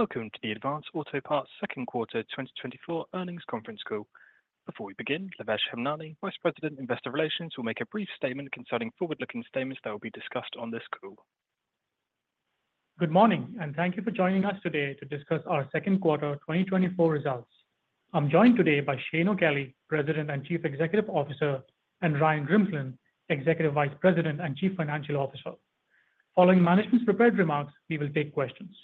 Welcome to the Advance Auto Parts second quarter 2024 earnings conference call. Before we begin, Lavesh Hemnani, Vice President, Investor Relations, will make a brief statement concerning forward-looking statements that will be discussed on this call. Good morning, and thank you for joining us today to discuss our second quarter 2024 results. I'm joined today by Shane O'Kelly, President and Chief Executive Officer, and Ryan Grimsland, Executive Vice President and Chief Financial Officer. Following management's prepared remarks, we will take questions.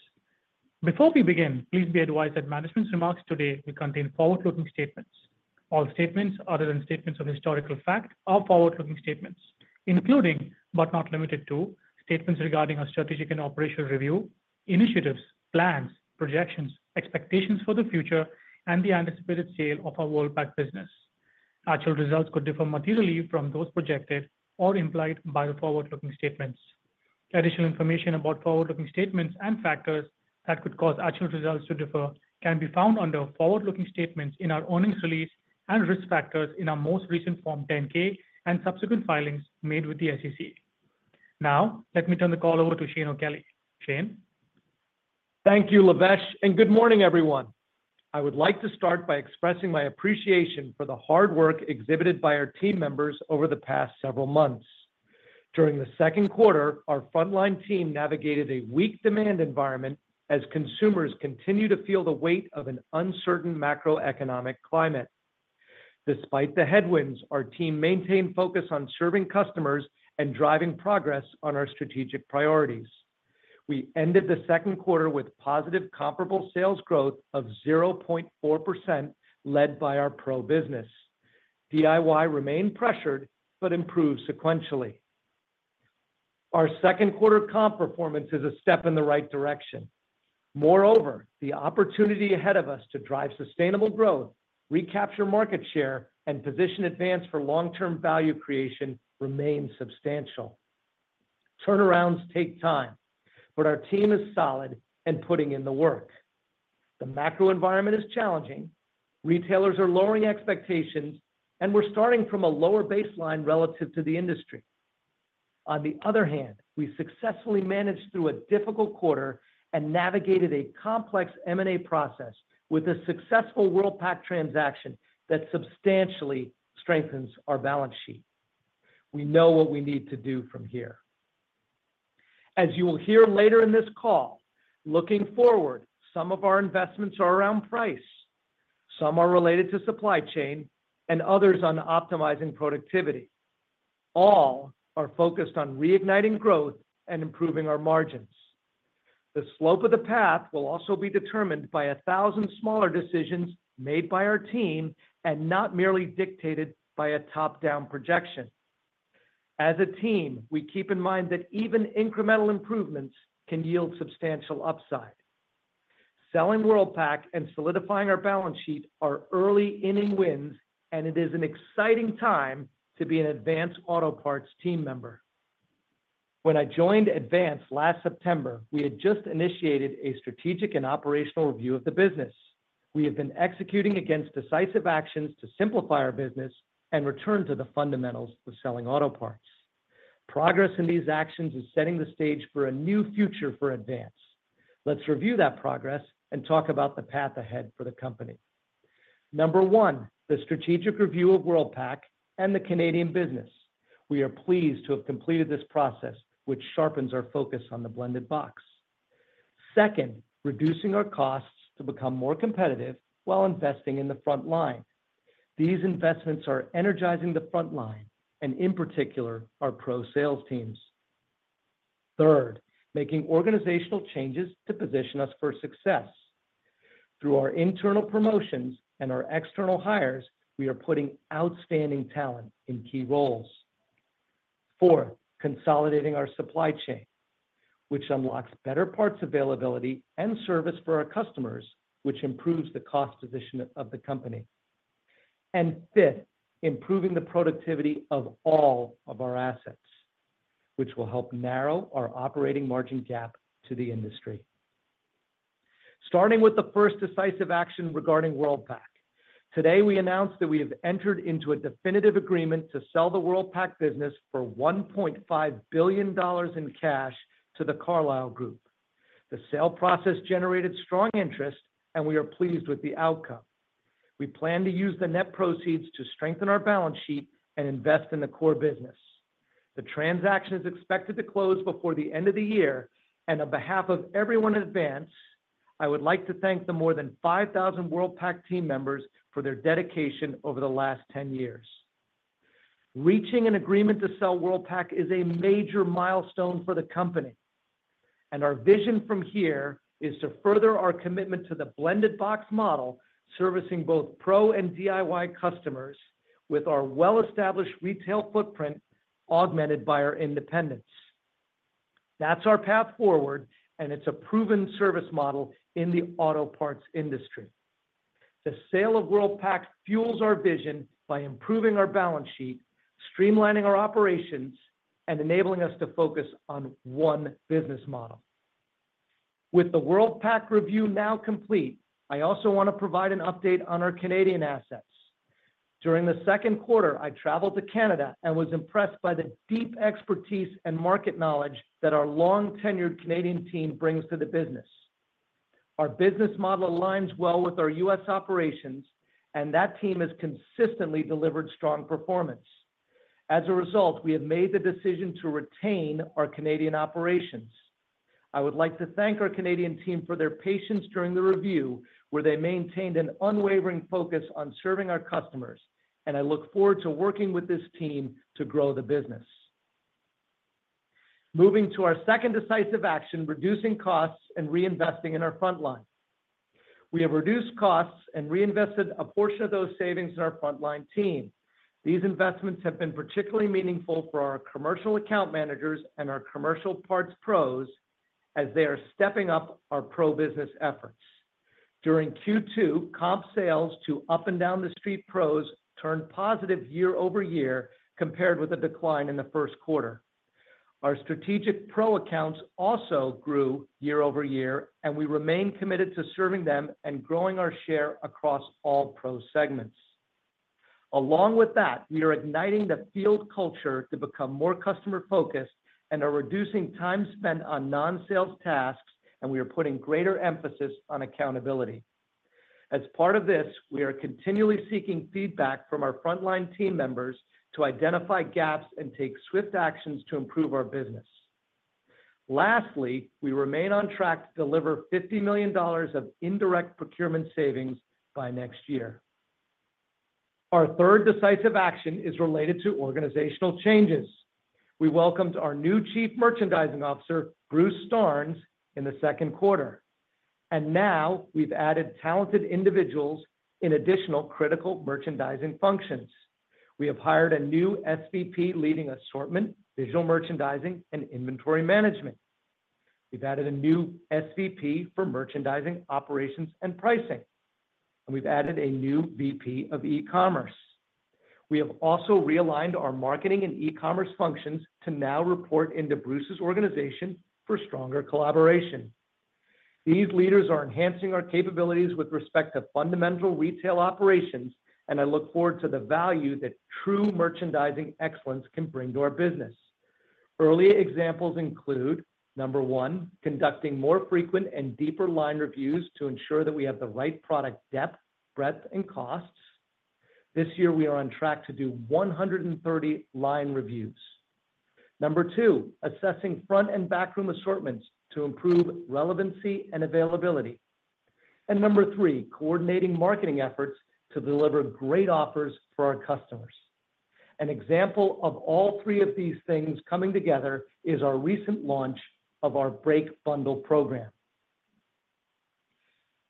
Before we begin, please be advised that management's remarks today will contain forward-looking statements. All statements other than statements of historical fact are forward-looking statements, including, but not limited to, statements regarding our strategic and operational review, initiatives, plans, projections, expectations for the future, and the anticipated sale of our Worldpac business. Actual results could differ materially from those projected or implied by the forward-looking statements. Additional information about forward-looking statements and factors that could cause actual results to differ can be found under Forward-looking statements in our earnings release and risk factors in our most recent Form 10-K and subsequent filings made with the SEC. Now, let me turn the call over to Shane O'Kelly. Shane? Thank you, Lavesh, and good morning, everyone. I would like to start by expressing my appreciation for the hard work exhibited by our team members over the past several months. During the second quarter, our frontline team navigated a weak demand environment as consumers continue to feel the weight of an uncertain macroeconomic climate. Despite the headwinds, our team maintained focus on serving customers and driving progress on our strategic priorities. We ended the second quarter with positive comparable sales growth of 0.4%, led by our pro business. DIY remained pressured but improved sequentially. Our second quarter comp performance is a step in the right direction. Moreover, the opportunity ahead of us to drive sustainable growth, recapture market share, and position Advance for long-term value creation remains substantial. Turnarounds take time, but our team is solid and putting in the work. The macro environment is challenging, retailers are lowering expectations, and we're starting from a lower baseline relative to the industry. On the other hand, we successfully managed through a difficult quarter and navigated a complex M&A process with a successful Worldpac transaction that substantially strengthens our balance sheet. We know what we need to do from here. As you will hear later in this call, looking forward, some of our investments are around price, some are related to supply chain, and others on optimizing productivity. All are focused on reigniting growth and improving our margins. The slope of the path will also be determined by a thousand smaller decisions made by our team and not merely dictated by a top-down projection. As a team, we keep in mind that even incremental improvements can yield substantial upside. Selling Worldpac and solidifying our balance sheet are early inning wins, and it is an exciting time to be an Advance Auto Parts team member. When I joined Advance last September, we had just initiated a strategic and operational review of the business. We have been executing against decisive actions to simplify our business and return to the fundamentals of selling auto parts. Progress in these actions is setting the stage for a new future for Advance. Let's review that progress and talk about the path ahead for the company. Number one, the strategic review of Worldpac and the Canadian business. We are pleased to have completed this process, which sharpens our focus on the blended box. Second, reducing our costs to become more competitive while investing in the front line. These investments are energizing the front line and, in particular, our pro sales teams. Third, making organizational changes to position us for success. Through our internal promotions and our external hires, we are putting outstanding talent in key roles. Four, consolidating our supply chain, which unlocks better parts availability and service for our customers, which improves the cost position of the company. And fifth, improving the productivity of all of our assets, which will help narrow our operating margin gap to the industry. Starting with the first decisive action regarding Worldpac. Today, we announced that we have entered into a definitive agreement to sell the Worldpac business for $1.5 billion in cash to The Carlyle Group. The sale process generated strong interest, and we are pleased with the outcome. We plan to use the net proceeds to strengthen our balance sheet and invest in the core business. The transaction is expected to close before the end of the year, and on behalf of everyone at Advance, I would like to thank the more than 5,000 Worldpac team members for their dedication over the last 10 years. Reaching an agreement to sell Worldpac is a major milestone for the company, and our vision from here is to further our commitment to the blended box model, servicing both pro and DIY customers with our well-established retail footprint, augmented by our independence. That's our path forward, and it's a proven service model in the auto parts industry. The sale of Worldpac fuels our vision by improving our balance sheet, streamlining our operations, and enabling us to focus on one business model. With the Worldpac review now complete, I also want to provide an update on our Canadian assets. During the second quarter, I traveled to Canada and was impressed by the deep expertise and market knowledge that our long-tenured Canadian team brings to the business. Our business model aligns well with our U.S. operations, and that team has consistently delivered strong performance. As a result, we have made the decision to retain our Canadian operations. I would like to thank our Canadian team for their patience during the review, where they maintained an unwavering focus on serving our customers, and I look forward to working with this team to grow the business. Moving to our second decisive action, reducing costs and reinvesting in our frontline. We have reduced costs and reinvested a portion of those savings in our frontline team. These investments have been particularly meaningful for our commercial account managers and our commercial parts pros, as they are stepping up our pro business efforts. During Q2, comp sales to up and down the street pros turned positive year over year, compared with a decline in the first quarter. Our strategic pro accounts also grew year over year, and we remain committed to serving them and growing our share across all pro segments. Along with that, we are igniting the field culture to become more customer-focused and are reducing time spent on non-sales tasks, and we are putting greater emphasis on accountability. As part of this, we are continually seeking feedback from our frontline team members to identify gaps and take swift actions to improve our business. Lastly, we remain on track to deliver $50 million of indirect procurement savings by next year. Our third decisive action is related to organizational changes. We welcomed our new Chief Merchandising Officer, Bruce Starnes, in the second quarter, and now we've added talented individuals in additional critical merchandising functions. We have hired a new SVP leading assortment, digital merchandising, and inventory management. We've added a new SVP for merchandising, operations, and pricing, and we've added a new VP of e-commerce. We have also realigned our marketing and e-commerce functions to now report into Bruce's organization for stronger collaboration. These leaders are enhancing our capabilities with respect to fundamental retail operations, and I look forward to the value that true merchandising excellence can bring to our business. Early examples include, number one, conducting more frequent and deeper line reviews to ensure that we have the right product depth, breadth, and costs. This year, we are on track to do 130 line reviews. Number two, assessing front and backroom assortments to improve relevancy and availability and number three, coordinating marketing efforts to deliver great offers for our customers. An example of all three of these things coming together is our recent launch of our Brake Bundle Program.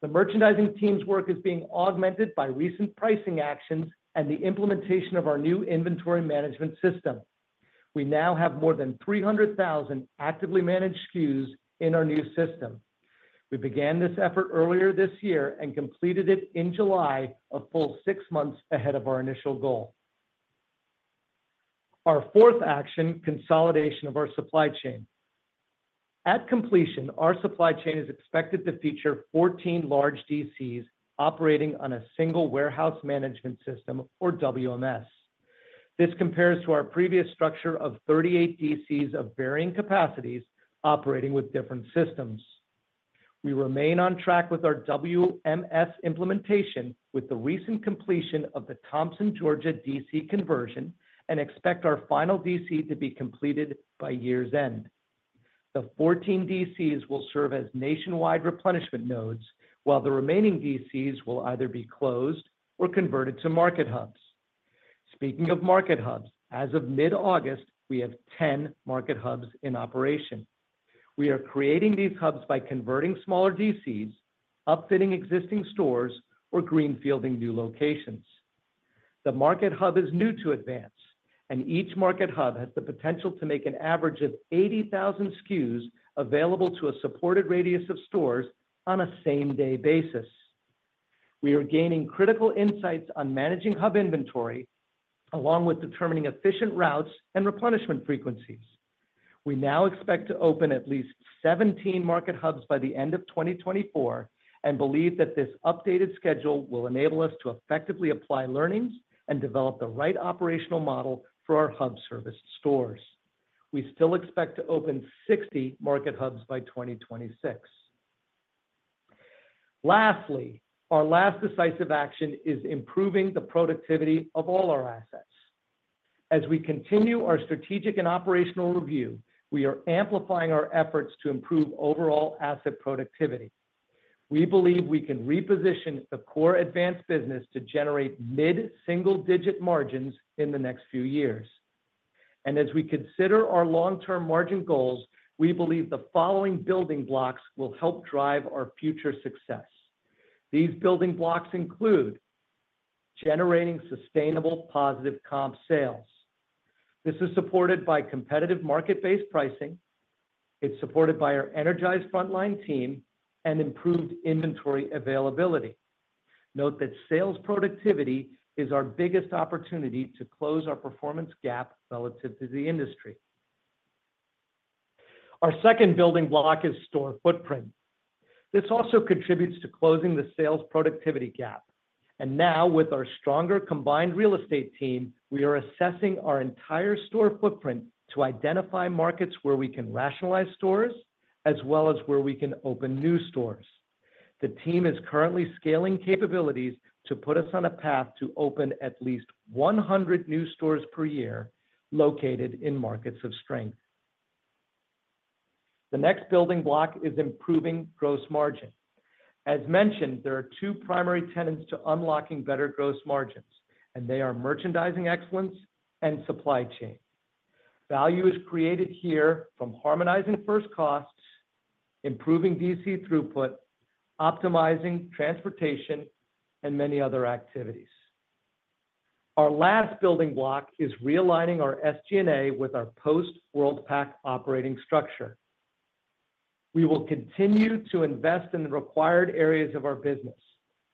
The merchandising team's work is being augmented by recent pricing actions and the implementation of our new inventory management system. We now have more than 300,000 actively managed SKUs in our new system. We began this effort earlier this year and completed it in July, a full six months ahead of our initial goal. Our fourth action, consolidation of our supply chain. At completion, our supply chain is expected to feature 14 large DCs operating on a single warehouse management system or WMS. This compares to our previous structure of 38 DCs of varying capacities operating with different systems. We remain on track with our WMS implementation with the recent completion of the Thomson, Georgia DC conversion, and expect our final DC to be completed by year's end. The 14 DCs will serve as nationwide replenishment nodes, while the remaining DCs will either be closed or converted to market hubs. Speaking of market hubs, as of mid-August, we have ten market hubs in operation. We are creating these hubs by converting smaller DCs, upfitting existing stores, or greenfielding new locations. The market hub is new to Advance, and each market hub has the potential to make an average of 80,000 SKUs available to a supported radius of stores on a same-day basis. We are gaining critical insights on managing hub inventory, along with determining efficient routes and replenishment frequencies. We now expect to open at least 17 market hubs by the end of 2024 and believe that this updated schedule will enable us to effectively apply learnings and develop the right operational model for our hub service stores. We still expect to open 60 market hubs by 2026. Lastly, our last decisive action is improving the productivity of all our assets. As we continue our strategic and operational review, we are amplifying our efforts to improve overall asset productivity. We believe we can reposition the core Advance business to generate mid-single-digit margins in the next few years. And as we consider our long-term margin goals, we believe the following building blocks will help drive our future success. These building blocks include generating sustainable positive comp sales. This is supported by competitive market-based pricing. It's supported by our energized frontline team and improved inventory availability. Note that sales productivity is our biggest opportunity to close our performance gap relative to the industry.... Our second building block is store footprint. This also contributes to closing the sales productivity gap. And now, with our stronger combined real estate team, we are assessing our entire store footprint to identify markets where we can rationalize stores, as well as where we can open new stores. The team is currently scaling capabilities to put us on a path to open at least 100 new stores per year, located in markets of strength. The next building block is improving gross margin. As mentioned, there are two primary tenets to unlocking better gross margins, and they are merchandising excellence and supply chain. Value is created here from harmonizing first costs, improving DC throughput, optimizing transportation, and many other activities. Our last building block is realigning our SG&A with our post-Worldpac operating structure. We will continue to invest in the required areas of our business,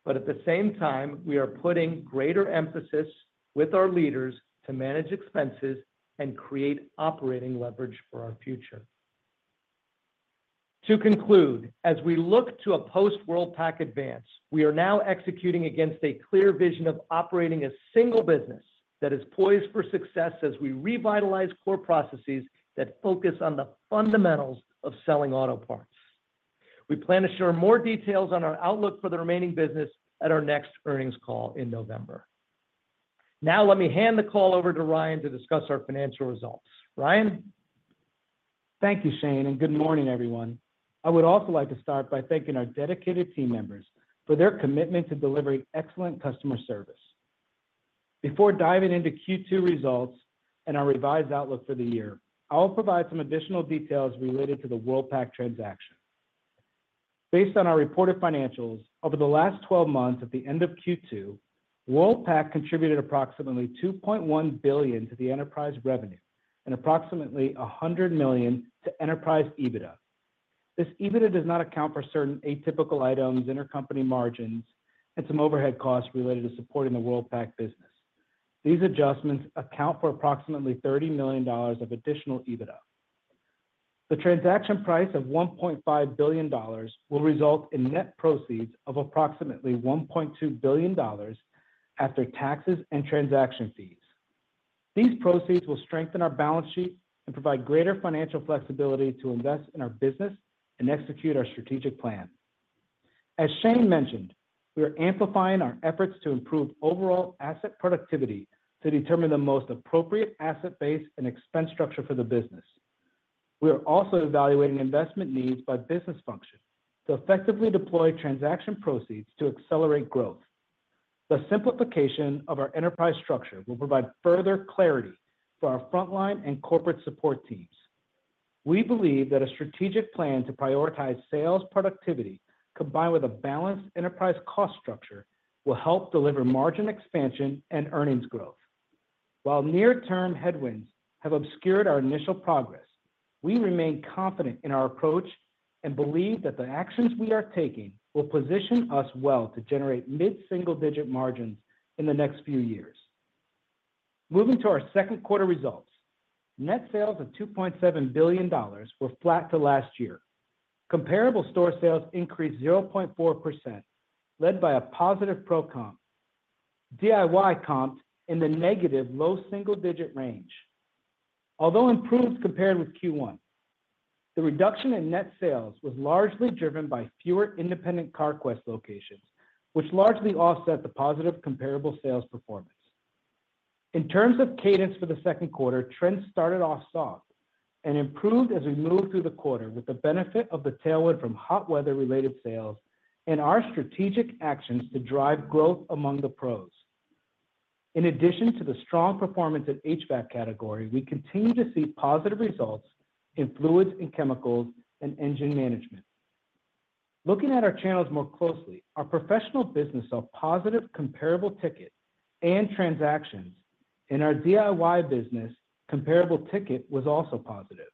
but at the same time, we are putting greater emphasis with our leaders to manage expenses and create operating leverage for our future. To conclude, as we look to a post-Worldpac Advance, we are now executing against a clear vision of operating a single business that is poised for success as we revitalize core processes that focus on the fundamentals of selling auto parts. We plan to share more details on our outlook for the remaining business at our next earnings call in November. Now, let me hand the call over to Ryan to discuss our financial results. Ryan? Thank you, Shane, and good morning, everyone. I would also like to start by thanking our dedicated team members for their commitment to delivering excellent customer service. Before diving into Q2 results and our revised outlook for the year, I will provide some additional details related to the Worldpac transaction. Based on our reported financials, over the last 12 months, at the end of Q2, Worldpac contributed approximately $2.1 billion to the enterprise revenue and approximately $100 million to enterprise EBITDA. This EBITDA does not account for certain atypical items, intercompany margins, and some overhead costs related to supporting the Worldpac business. These adjustments account for approximately $30 million of additional EBITDA. The transaction price of $1.5 billion will result in net proceeds of approximately $1.2 billion after taxes and transaction fees. These proceeds will strengthen our balance sheet and provide greater financial flexibility to invest in our business and execute our strategic plan. As Shane mentioned, we are amplifying our efforts to improve overall asset productivity to determine the most appropriate asset base and expense structure for the business. We are also evaluating investment needs by business function to effectively deploy transaction proceeds to accelerate growth. The simplification of our enterprise structure will provide further clarity for our frontline and corporate support teams. We believe that a strategic plan to prioritize sales productivity, combined with a balanced enterprise cost structure, will help deliver margin expansion and earnings growth. While near-term headwinds have obscured our initial progress, we remain confident in our approach and believe that the actions we are taking will position us well to generate mid-single-digit margins in the next few years. Moving to our second quarter results, net sales of $2.7 billion were flat to last year. Comparable store sales increased 0.4%, led by a positive pro comp. DIY comped in the negative low double-digit range. Although improved compared with Q1, the reduction in net sales was largely driven by fewer independent Carquest locations, which largely offset the positive comparable sales performance. In terms of cadence for the second quarter, trends started off soft and improved as we moved through the quarter with the benefit of the tailwind from hot weather-related sales and our strategic actions to drive growth among the pros. In addition to the strong performance in HVAC category, we continue to see positive results in fluids and chemicals and engine management. Looking at our channels more closely, our professional business saw positive comparable ticket and transactions. In our DIY business, comparable ticket was also positive,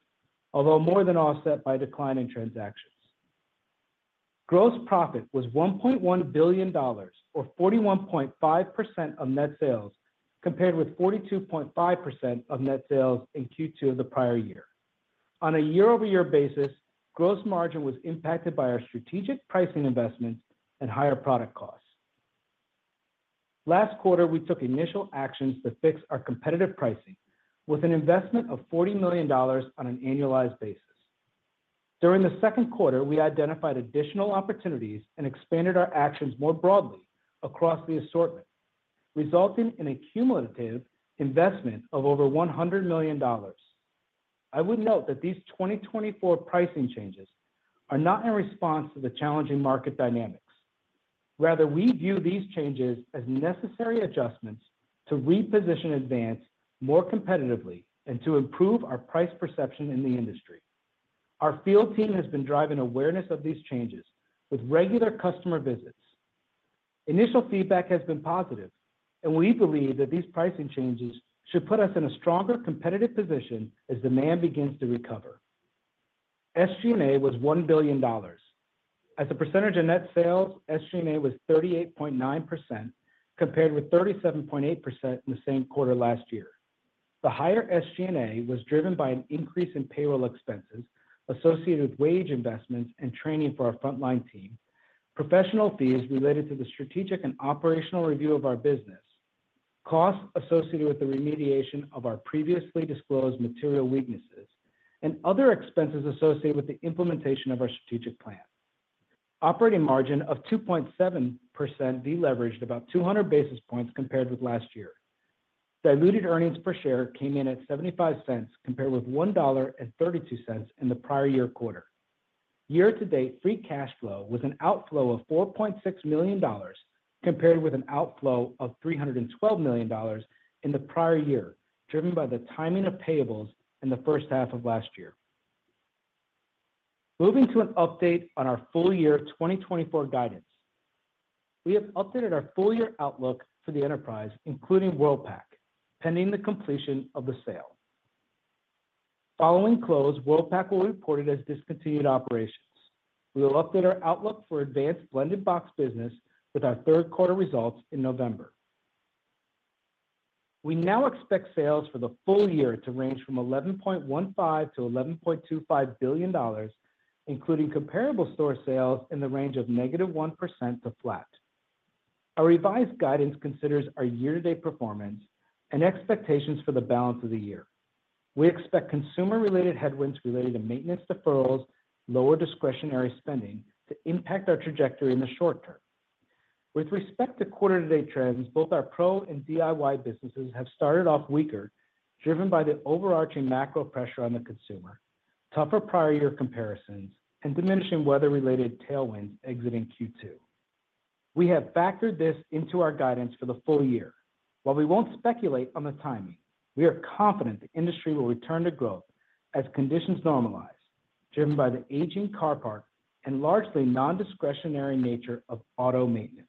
although more than offset by declining transactions. Gross profit was $1.1 billion, or 41.5% of net sales, compared with 42.5% of net sales in Q2 of the prior year. On a year-over-year basis, gross margin was impacted by our strategic pricing investments and higher product costs. Last quarter, we took initial actions to fix our competitive pricing with an investment of $40 million on an annualized basis. During the second quarter, we identified additional opportunities and expanded our actions more broadly across the assortment, resulting in a cumulative investment of over $100 million. I would note that these 2024 pricing changes are not in response to the challenging market dynamics. Rather, we view these changes as necessary adjustments to reposition Advance more competitively and to improve our price perception in the industry. Our field team has been driving awareness of these changes with regular customer visits. Initial feedback has been positive, and we believe that these pricing changes should put us in a stronger competitive position as demand begins to recover. SG&A was $1 billion. As a percentage of net sales, SG&A was 38.9%, compared with 37.8% in the same quarter last year. The higher SG&A was driven by an increase in payroll expenses associated with wage investments and training for our frontline team, professional fees related to the strategic and operational review of our business, costs associated with the remediation of our previously disclosed material weaknesses, and other expenses associated with the implementation of our strategic plan. Operating margin of 2.7% deleveraged about 200 basis points compared with last year. Diluted earnings per share came in at $0.75, compared with $1.32 in the prior year quarter. Year-to-date, free cash flow was an outflow of $4.6 million, compared with an outflow of $312 million in the prior year, driven by the timing of payables in the first half of last year. Moving to an update on our full-year 2024 guidance. We have updated our full-year outlook for the enterprise, including Worldpac, pending the completion of the sale. Following close, Worldpac will be reported as discontinued operations. We will update our outlook for Advance Blended Box business with our third quarter results in November. We now expect sales for the full year to range from $11.15 billion-$11.25 billion, including comparable store sales in the range of -1% to flat. Our revised guidance considers our year-to-date performance and expectations for the balance of the year. We expect consumer-related headwinds related to maintenance deferrals, lower discretionary spending to impact our trajectory in the short term. With respect to quarter-to-date trends, both our pro and DIY businesses have started off weaker, driven by the overarching macro pressure on the consumer, tougher prior year comparisons, and diminishing weather-related tailwinds exiting Q2. We have factored this into our guidance for the full year. While we won't speculate on the timing, we are confident the industry will return to growth as conditions normalize, driven by the aging car park and largely nondiscretionary nature of auto maintenance.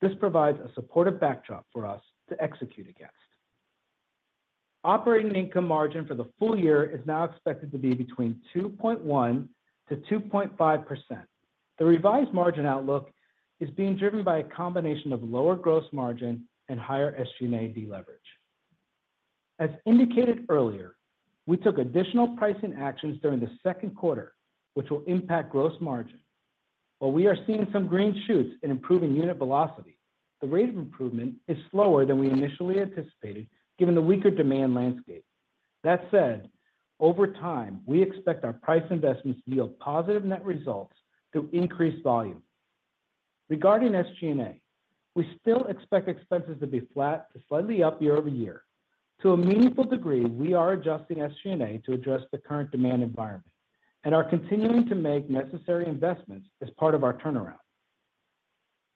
This provides a supportive backdrop for us to execute against. Operating income margin for the full year is now expected to be between 2.1%-2.5%. The revised margin outlook is being driven by a combination of lower gross margin and higher SG&A deleverage. As indicated earlier, we took additional pricing actions during the second quarter, which will impact gross margin. While we are seeing some green shoots in improving unit velocity, the rate of improvement is slower than we initially anticipated, given the weaker demand landscape. That said, over time, we expect our price investments to yield positive net results through increased volume. Regarding SG&A, we still expect expenses to be flat to slightly up year over year. To a meaningful degree, we are adjusting SG&A to address the current demand environment and are continuing to make necessary investments as part of our turnaround.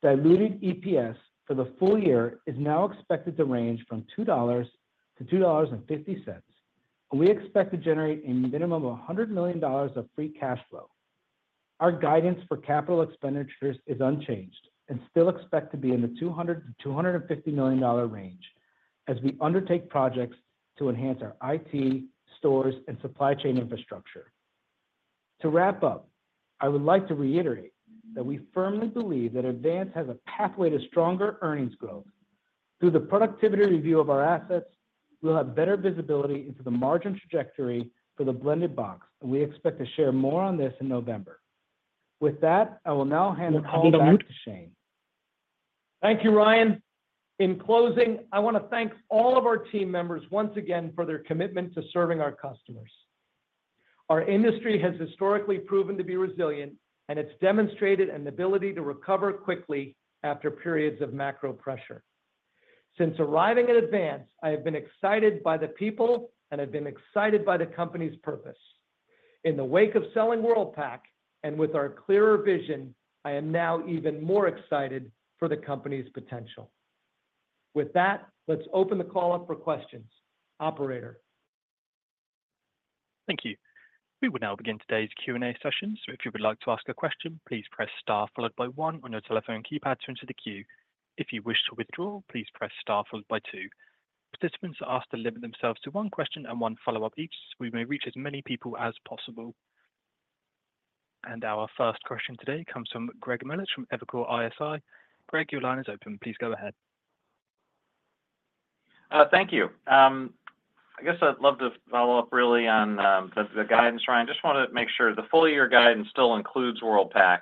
Diluted EPS for the full year is now expected to range from $2-$2.50, and we expect to generate a minimum of $100 million of free cash flow. Our guidance for capital expenditures is unchanged and still expect to be in the $200 million-$250 million range as we undertake projects to enhance our IT, stores, and supply chain infrastructure. To wrap up, I would like to reiterate that we firmly believe that Advance has a pathway to stronger earnings growth. Through the productivity review of our assets, we'll have better visibility into the margin trajectory for the blended box, and we expect to share more on this in November. With that, I will now hand the call back to Shane. Thank you, Ryan. In closing, I want to thank all of our team members once again for their commitment to serving our customers. Our industry has historically proven to be resilient, and it's demonstrated an ability to recover quickly after periods of macro pressure. Since arriving at Advance, I have been excited by the people, and I've been excited by the company's purpose. In the wake of selling Worldpac and with our clearer vision, I am now even more excited for the company's potential. With that, let's open the call up for questions. Operator? Thank you. We will now begin today's Q&A session. So if you would like to ask a question, please press star followed by one on your telephone keypad to enter the queue. If you wish to withdraw, please press star followed by two. Participants are asked to limit themselves to one question and one follow-up each, so we may reach as many people as possible. And our first question today comes from Greg Melich from Evercore ISI. Greg, your line is open. Please go ahead. Thank you. I guess I'd love to follow up really on the guidance, Ryan. Just wanted to make sure the full year guidance still includes Worldpac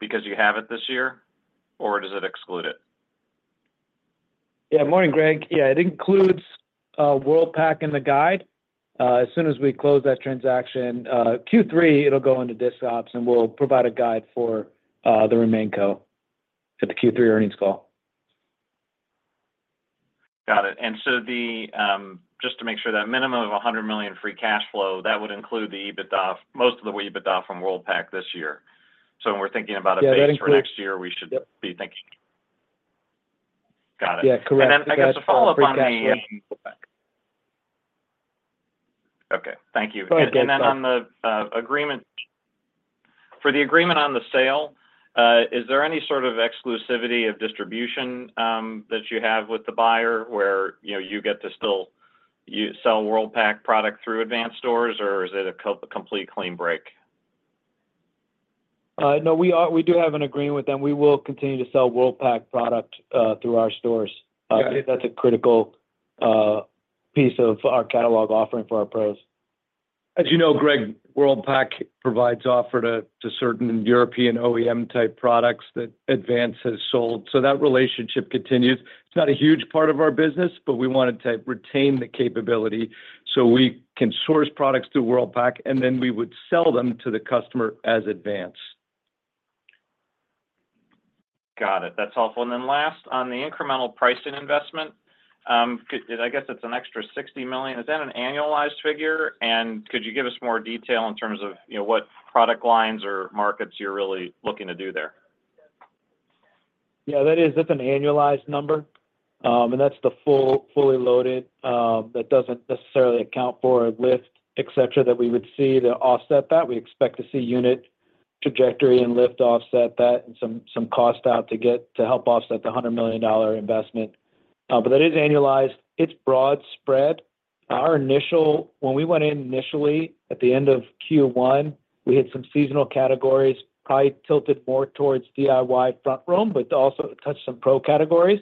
because you have it this year, or does it exclude it? Yeah. Morning, Greg. Yeah, it includes Worldpac in the guide. As soon as we close that transaction, Q3, it'll go into disc ops, and we'll provide a guide for the RemainCo at the Q3 earnings call. Got it. And so, just to make sure that minimum of $100 million free cash flow, that would include the EBITDA, most of the EBITDA from Worldpac this year. So when we're thinking about- Yeah, that includes- a base for next year, we should be thinking. Got it. Yeah, correct. And then I guess a follow-up on the- Free cash, yeah. Okay, thank you. Go ahead, Greg. For the agreement on the sale, is there any sort of exclusivity of distribution that you have with the buyer, where, you know, you get to still... you sell Worldpac product through Advance stores, or is it a complete clean break? No, we do have an agreement with them. We will continue to sell Worldpac product through our stores. Got it. That's a critical piece of our catalog offering for our pros. As you know, Greg, Worldpac provides offer to certain European OEM-type products that Advance has sold, so that relationship continues. It's not a huge part of our business, but we wanted to retain the capability so we can source products through Worldpac, and then we would sell them to the customer as Advance. Got it. That's helpful. And then last, on the incremental pricing investment, I guess it's an extra $60 million. Is that an annualized figure? And could you give us more detail in terms of, you know, what product lines or markets you're really looking to do there? Yeah, that is. That's an annualized number. And that's the fully loaded. That doesn't necessarily account for a lift, et cetera, that we would see to offset that. We expect to see unit trajectory and lift offset that, and some cost out to help offset the $100 million investment. But that is annualized. It's broad spread. When we went in initially, at the end of Q1, we had some seasonal categories, probably tilted more towards DIY front room, but also touched some pro categories.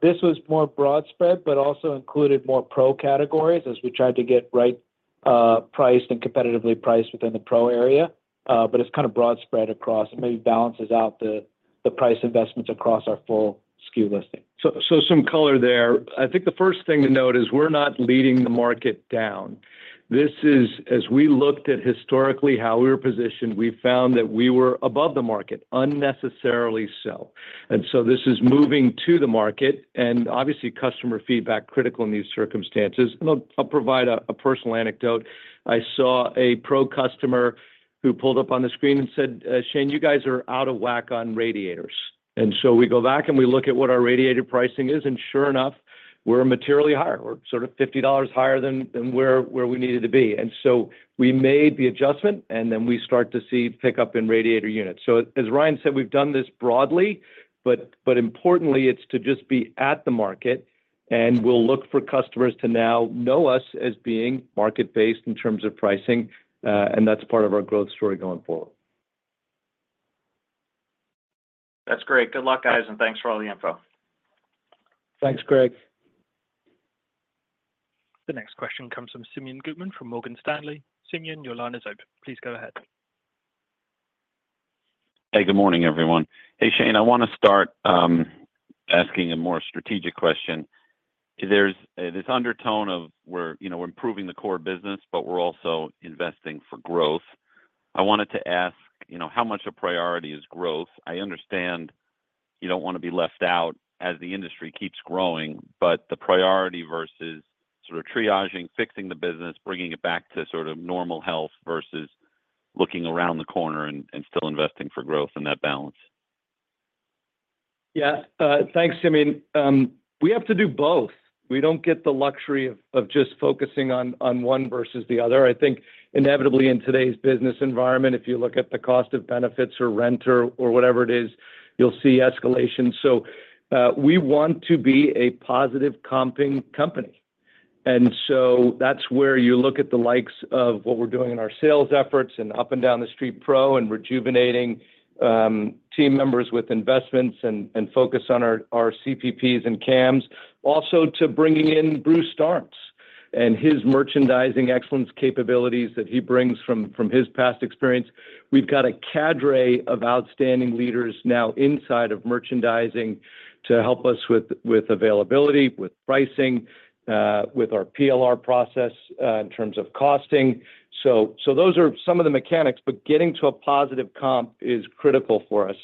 This was more broad spread, but also included more pro categories, as we tried to get right priced and competitively priced within the pro area. But it's kind of broad spread across. It maybe balances out the price investments across our full SKU listing. So some color there. I think the first thing to note is we're not leading the market down. This is, as we looked at historically how we were positioned, we found that we were above the market, unnecessarily so. And so this is moving to the market, and obviously, customer feedback, critical in these circumstances. And I'll provide a personal anecdote. I saw a pro customer who pulled up on the screen and said, "Shane, you guys are out of whack on radiators." And so we go back, and we look at what our radiator pricing is, and sure enough, we're materially higher. We're sort of $50 higher than where we needed to be. And so we made the adjustment, and then we start to see pickup in radiator units. As Ryan said, we've done this broadly, but importantly, it's to just be at the market, and we'll look for customers to now know us as being market-based in terms of pricing, and that's part of our growth story going forward. That's great. Good luck, guys, and thanks for all the info. Thanks, Greg. The next question comes from Simeon Gutman, from Morgan Stanley. Simeon, your line is open. Please go ahead. Hey, good morning, everyone. Hey, Shane, I wanna start asking a more strategic question. There's this undertone of we're, you know, we're improving the core business, but we're also investing for growth. I wanted to ask, you know, how much a priority is growth? I understand you don't wanna be left out as the industry keeps growing, but the priority versus sort of triaging, fixing the business, bringing it back to sort of normal health versus looking around the corner and still investing for growth and that balance. Yeah. Thanks, Simeon. We have to do both. We don't get the luxury of, of just focusing on, on one versus the other. I think inevitably in today's business environment, if you look at the cost of benefits or rent or, or whatever it is, you'll see escalation. So, we want to be a positive comping company. And so that's where you look at the likes of what we're doing in our sales efforts and up and down the street pro and rejuvenating team members with investments and, and focus on our, our CPPs and CAMs. Also, to bringing in Bruce Starnes and his merchandising excellence capabilities that he brings from, from his past experience. We've got a cadre of outstanding leaders now inside of merchandising to help us with, with availability, with pricing, with our PLR process, in terms of costing. So those are some of the mechanics, but getting to a positive comp is critical for us.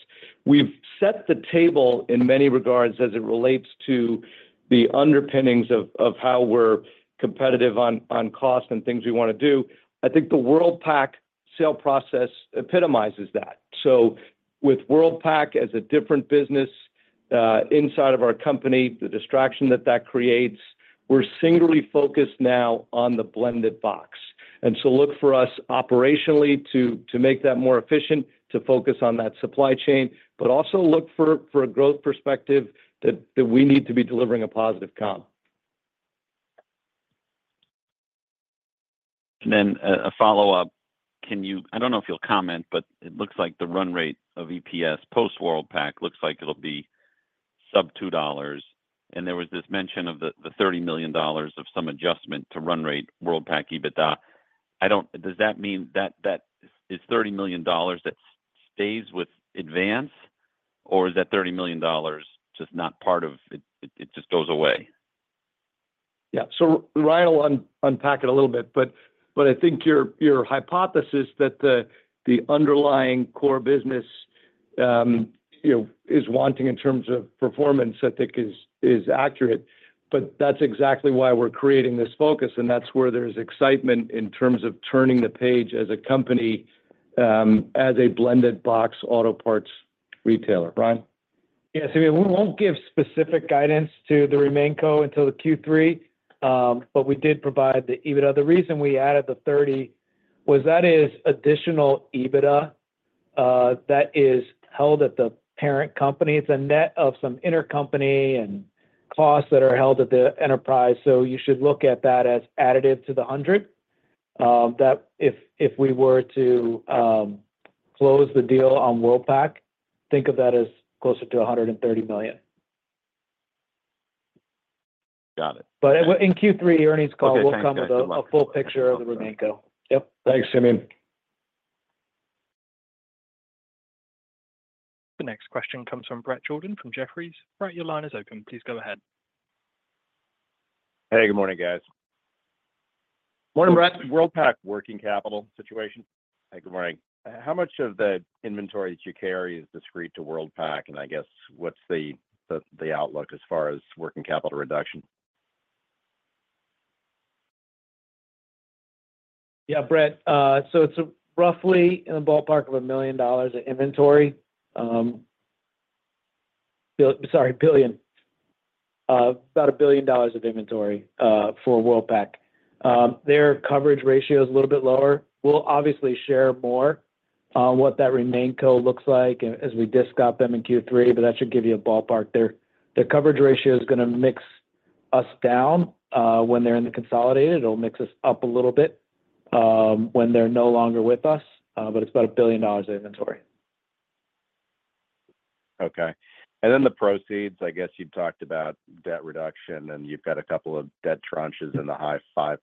We've set the table in many regards as it relates to the underpinnings of how we're competitive on cost and things we wanna do. I think the Worldpac sale process epitomizes that. So with Worldpac as a different business, inside of our company, the distraction that creates, we're singularly focused now on the blended box. And so look for us operationally to make that more efficient, to focus on that supply chain, but also look for a growth perspective that we need to be delivering a positive comp. And then, a follow-up: Can you? I don't know if you'll comment, but it looks like the run rate of EPS post-Worldpac looks like it'll be sub $2, and there was this mention of the $30 million of some adjustment to run rate, Worldpac EBITDA. I don't. Does that mean that it's $30 million that stays with Advance, or is that $30 million just not part of... It just goes away? Yeah. So Ryan will unpack it a little bit, but I think your hypothesis that the underlying core business, you know, is wanting in terms of performance, I think, is accurate. But that's exactly why we're creating this focus, and that's where there's excitement in terms of turning the page as a company, as a blended box, auto parts retailer. Ryan? Yeah. So we won't give specific guidance to the RemainCo until the Q3, but we did provide the EBITDA. The reason we added the 30 was that is additional EBITDA that is held at the parent company. It's a net of some intercompany and costs that are held at the enterprise, so you should look at that as additive to the 100. That if, if we were to close the deal on Worldpac, think of that as closer to $130 million. Got it. But in Q3 earnings call, we'll come with a- Okay, thanks guys.... a full picture of the RemainCo. Yep. Thanks, Simeo. The next question comes from Bret Jordan from Jefferies. Bret, your line is open. Please go ahead. Hey, good morning, guys. Morning, Bret. Worldpac working capital situation. Hey, good morning. How much of the inventory that you carry is discrete to Worldpac, and I guess what's the outlook as far as working capital reduction? Yeah, Brett. So it's roughly in the ballpark of $1 billion of inventory. Sorry, billion. About $1 billion of inventory for Worldpac. Their coverage ratio is a little bit lower. We'll obviously share more on what that RemainCo looks like as we Disc Ops them in Q3, but that should give you a ballpark there. The coverage ratio is gonna mix us down when they're in the consolidated. It'll mix us up a little bit when they're no longer with us, but it's about $1 billion of inventory. Okay. And then the proceeds, I guess you've talked about debt reduction, and you've got a couple of debt tranches in the high 5%.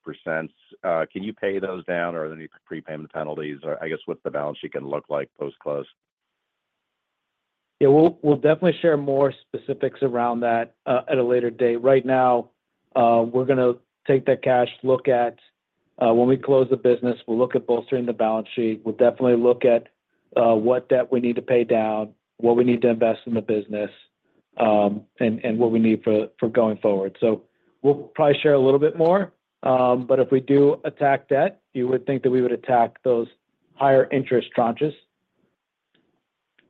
Can you pay those down, or are there any prepayment penalties? Or I guess, what's the balance sheet gonna look like post-close? Yeah, we'll definitely share more specifics around that at a later date. Right now, we're gonna take that cash look at when we close the business. We'll look at bolstering the balance sheet. We'll definitely look at what debt we need to pay down, what we need to invest in the business, and what we need for going forward. So we'll probably share a little bit more, but if we do attack debt, you would think that we would attack those higher interest tranches.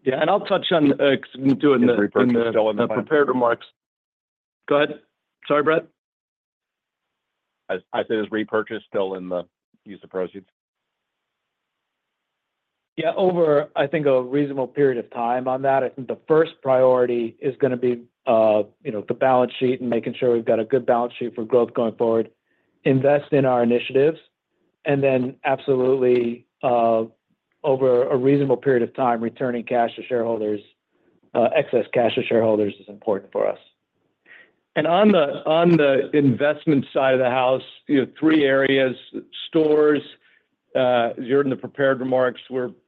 Yeah, and I'll touch on doing the- Repurchase still in the-... the prepared remarks. Go ahead. Sorry, Brett. I said, is repurchase still in the use of proceeds? Yeah, over a reasonable period of time on that, I think the first priority is gonna be, you know, the balance sheet and making sure we've got a good balance sheet for growth going forward, invest in our initiatives, and then absolutely, over a reasonable period of time, returning cash to shareholders, excess cash to shareholders is important for us. And on the investment side of the house, you know, three areas, stores, you're in the prepared remarks.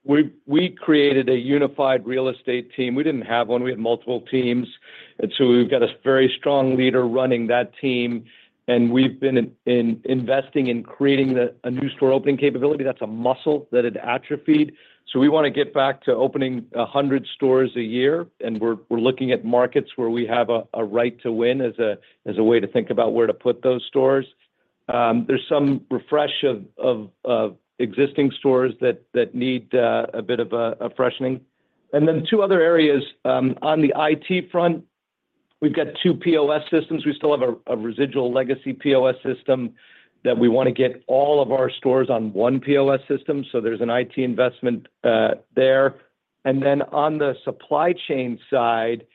We created a unified real estate team. We didn't have one, we had multiple teams, and so we've got a very strong leader running that team, and we've been in investing in creating a new store opening capability, that's a muscle that had atrophied. So we wanna get back to opening 100 stores a year, and we're looking at markets where we have a right to win as a way to think about where to put those stores. There's some refresh of existing stores that need a bit of a freshening. And then two other areas, on the IT front, we've got two POS systems. We still have a residual legacy POS system that we wanna get all of our stores on one POS system, so there's an IT investment there, and then on the supply chain side,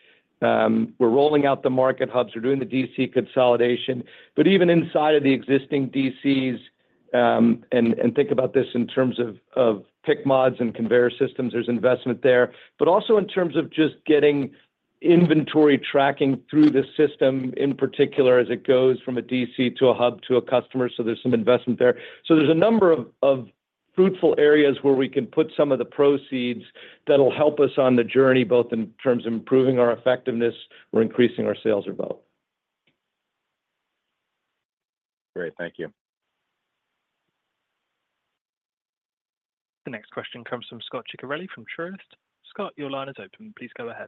we're rolling out the market hubs, we're doing the DC consolidation, but even inside of the existing DCs, think about this in terms of pick mods and conveyor systems, there's investment there, but also in terms of just getting inventory tracking through the system, in particular, as it goes from a DC to a hub to a customer, so there's some investment there, so there's a number of fruitful areas where we can put some of the proceeds that'll help us on the journey, both in terms of improving our effectiveness or increasing our sales or both. Great. Thank you. The next question comes from Scot Ciccarelli from Truist. Scot, your line is open. Please go ahead.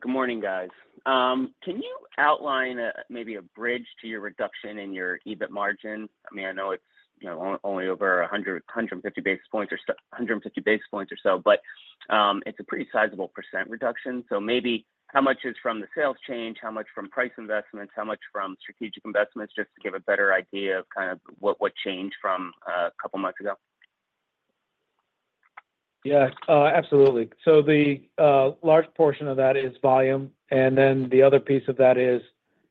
Good morning, guys. Can you outline maybe a bridge to your reduction in your EBIT margin? I mean, I know it's, you know, only over 15 basis points or so, but it's a pretty sizable percent reduction. So maybe how much is from the sales change, how much from price investments, how much from strategic investments, just to give a better idea of kind of what changed from a couple of months ago? Yeah, absolutely. So the large portion of that is volume, and then the other piece of that is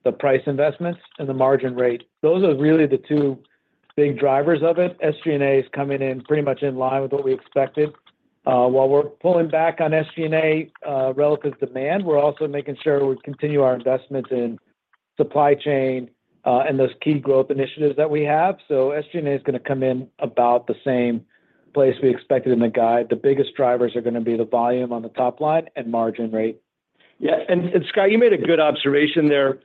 the price investments and the margin rate. Those are really the two big drivers of it. SG&A is coming in pretty much in line with what we expected. While we're pulling back on SG&A relative to demand, we're also making sure we continue our investments in supply chain and those key growth initiatives that we have. So SG&A is gonna come in about the same place we expected in the guide. The biggest drivers are gonna be the volume on the top line and margin rate. Yeah, and, and Scot, you made a good observation there.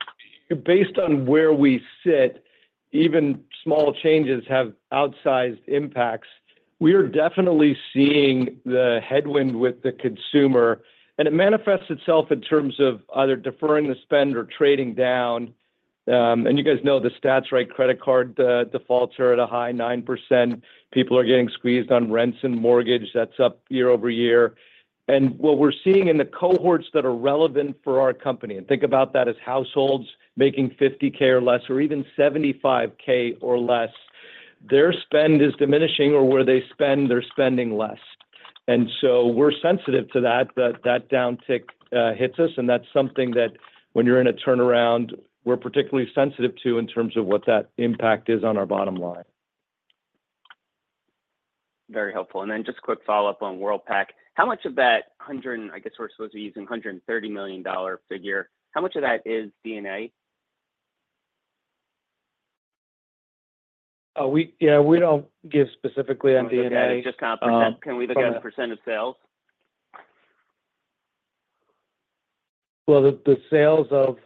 Based on where we sit, even small changes have outsized impacts. We are definitely seeing the headwind with the consumer, and it manifests itself in terms of either deferring the spend or trading down. And you guys know the stats, right? Credit card defaults are at a high 9%. People are getting squeezed on rents and mortgage. That's up year over year. And what we're seeing in the cohorts that are relevant for our company, and think about that as households making $50,000 or less, or even $75,000 or less, their spend is diminishing, or where they spend, they're spending less. And so we're sensitive to that downtick that hits us, and that's something that when you're in a turnaround, we're particularly sensitive to in terms of what that impact is on our bottom line. Very helpful. Then just quick follow-up on Worldpac. How much of that, I guess we're supposed to be using $130 million figure, how much of that is DNA? Yeah, we don't give specifically on D&A. Okay, just confirm, can we look at a % of sales? The sales of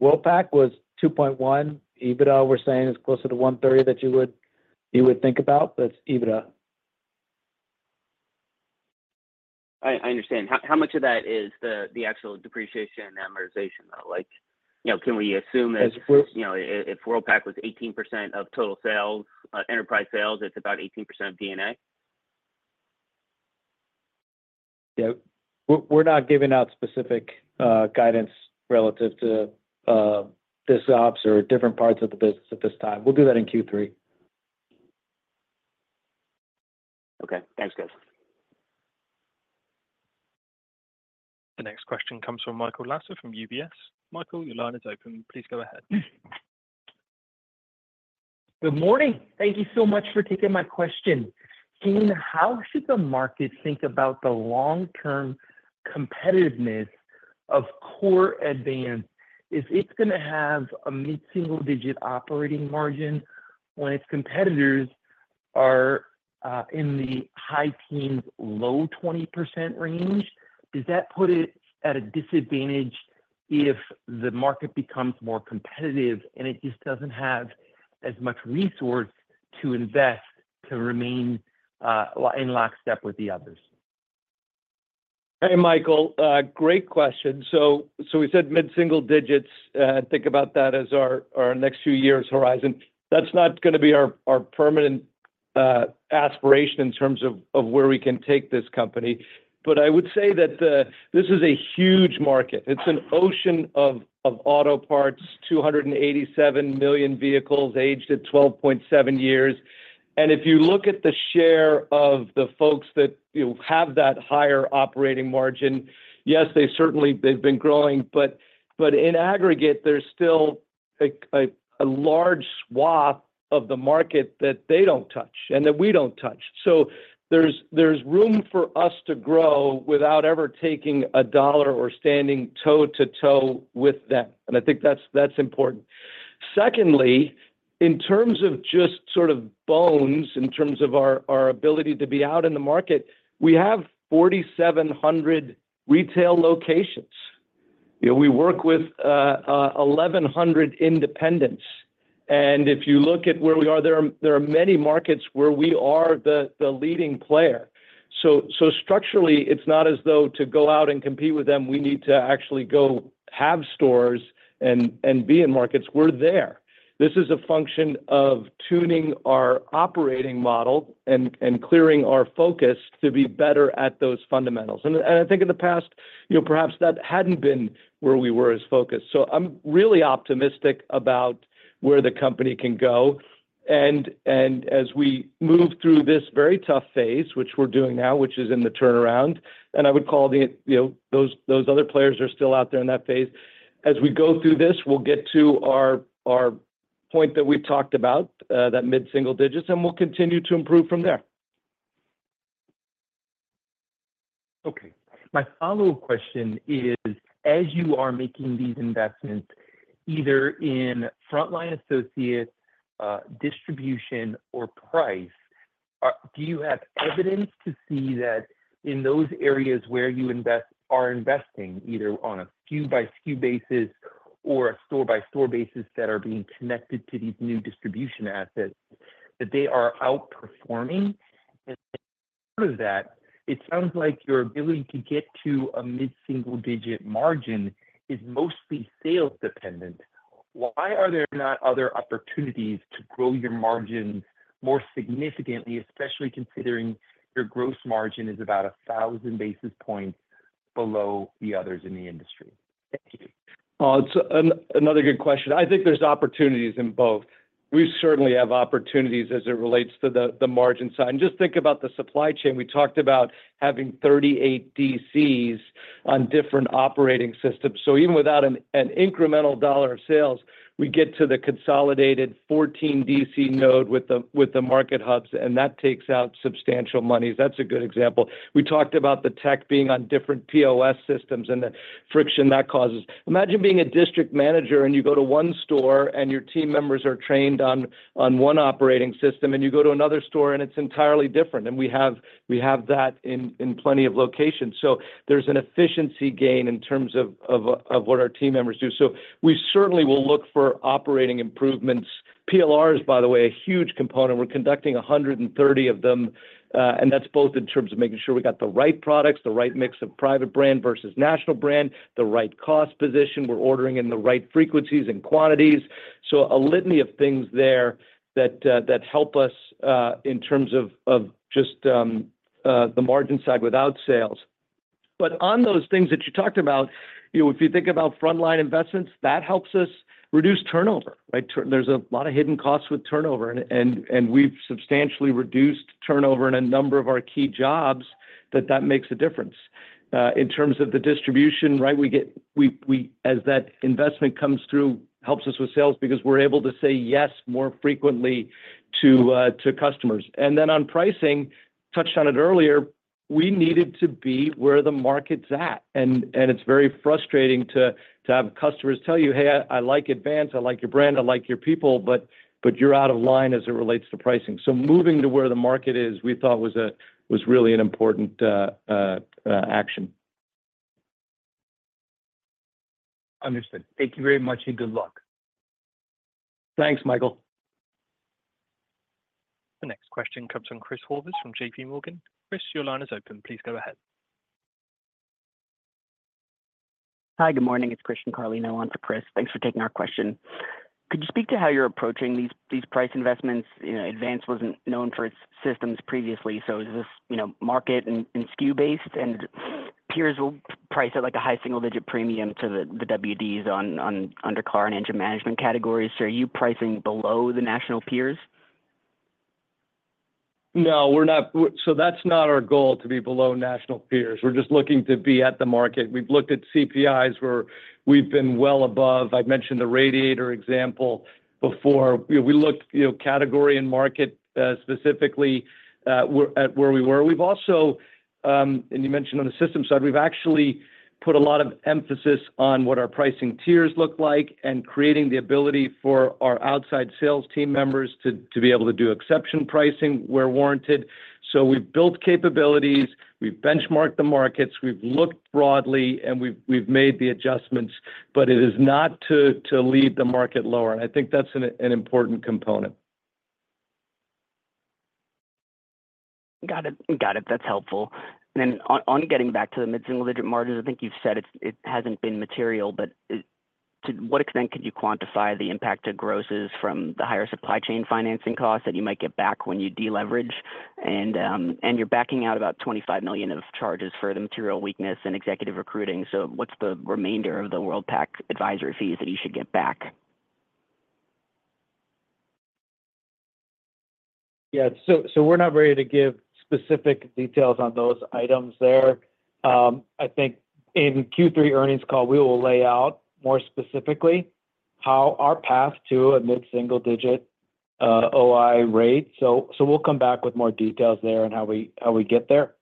Worldpac was $2.1. EBITDA, we're saying, is closer to $130 than you would think about, but it's EBITDA. I understand. How much of that is the actual depreciation and amortization, though? Like, you know, can we assume that- As- You know, if Worldpac was 18% of total sales, enterprise sales, it's about 18% of DNA? Yeah. We're not giving out specific guidance relative to Disc Ops or different parts of the business at this time. We'll do that in Q3. Okay. Thanks, guys. The next question comes from Michael Lasser from UBS. Michael, your line is open. Please go ahead. Good morning. Thank you so much for taking my question. Shane, how should the market think about the long-term competitiveness of core Advance? If it's gonna have a mid-single-digit operating margin when its competitors are in the high teens, low 20% range, does that put it at a disadvantage if the market becomes more competitive and it just doesn't have as much resource to invest to remain in lockstep with the others? Hey, Michael, great question. So we said mid-single digits. Think about that as our next few years horizon. That's not gonna be our permanent aspiration in terms of where we can take this company. But I would say that this is a huge market. It's an ocean of auto parts, 287 million vehicles aged at 12.7 years. And if you look at the share of the folks that, you know, have that higher operating margin, yes, they certainly have been growing, but in aggregate, there's still a large swath of the market that they don't touch and that we don't touch. So there's room for us to grow without ever taking a dollar or standing toe-to-toe with them, and I think that's important. Secondly, in terms of just sort of bones, in terms of our ability to be out in the market, we have 4,700 retail locations. You know, we work with 1,100 independents, and if you look at where we are, there are many markets where we are the leading player. So structurally, it's not as though to go out and compete with them, we need to actually go have stores and be in markets. We're there. This is a function of tuning our operating model and clearing our focus to be better at those fundamentals. And I think in the past, you know, perhaps that hadn't been where we were as focused. So I'm really optimistic about where the company can go. And as we move through this very tough phase, which we're doing now, which is in the turnaround, and I would call, you know, those other players are still out there in that phase. As we go through this, we'll get to our point that we've talked about, that mid-single digits, and we'll continue to improve from there. Okay. My follow-up question is, as you are making these investments, either in frontline associates, distribution, or price, do you have evidence to see that in those areas where you are investing, either on a SKU by SKU basis or a store-by-store basis, that are being connected to these new distribution assets, that they are outperforming? And of that, it sounds like your ability to get to a mid-single-digit margin is mostly sales dependent. Why are there not other opportunities to grow your margin more significantly, especially considering your gross margin is about 1000 basis points below the others in the industry? Thank you. It's another good question. I think there's opportunities in both. We certainly have opportunities as it relates to the margin side, and just think about the supply chain. We talked about having 38 DCs on different operating systems, so even without an incremental dollar of sales, we get to the consolidated 14 DC node with the market hubs, and that takes out substantial monies. That's a good example. We talked about the tech being on different POS systems and the friction that causes. Imagine being a district manager, and you go to one store, and your team members are trained on one operating system, and you go to another store, and it's entirely different, and we have that in plenty of locations, so there's an efficiency gain in terms of what our team members do. So we certainly will look for operating improvements. PLR is, by the way, a huge component. We're conducting 130 of them, and that's both in terms of making sure we got the right products, the right mix of private brand versus national brand, the right cost position. We're ordering in the right frequencies and quantities. So a litany of things there that, that help us, in terms of, of just, the margin side without sales.... But on those things that you talked about, you know, if you think about frontline investments, that helps us reduce turnover, right? There's a lot of hidden costs with turnover, and we've substantially reduced turnover in a number of our key jobs that makes a difference. In terms of the distribution, right, we, as that investment comes through, helps us with sales because we're able to say yes more frequently to customers. And then on pricing, touched on it earlier, we needed to be where the market's at. It's very frustrating to have customers tell you, "Hey, I like Advance, I like your brand, I like your people, but you're out of line as it relates to pricing." So moving to where the market is, we thought was really an important action. Understood. Thank you very much, and good luck. Thanks, Michael. The next question comes from Chris Horvath from JPMorgan. Chris, your line is open. Please go ahead. Hi, good morning, it's Christian Carlino on for Chris. Thanks for taking our question. Could you speak to how you're approaching these price investments? You know, Advance wasn't known for its systems previously, so is this, you know, market and SKU-based? And peers will price at, like, a high single-digit premium to the WDs on under car and engine management categories. So are you pricing below the national peers? No, we're not. So that's not our goal, to be below national peers. We're just looking to be at the market. We've looked at CPIs where we've been well above. I've mentioned the radiator example before. You know, we looked, you know, category and market, specifically at where we were. We've also, and you mentioned on the system side, we've actually put a lot of emphasis on what our pricing tiers look like and creating the ability for our outside sales team members to be able to do exception pricing where warranted. So we've built capabilities, we've benchmarked the markets, we've looked broadly, and we've made the adjustments, but it is not to lead the market lower, and I think that's an important component. Got it. Got it. That's helpful. And then on getting back to the mid-single-digit margins, I think you've said it, it hasn't been material, but to what extent could you quantify the impact to grosses from the higher supply chain financing costs that you might get back when you de-leverage? And you're backing out about $25 million of charges for the material weakness and executive recruiting, so what's the remainder of the Worldpac advisory fees that you should get back? Yeah, so we're not ready to give specific details on those items there. I think in Q3 earnings call, we will lay out more specifically how our path to a mid-single-digit OI rate. So we'll come back with more details there on how we, how we get there.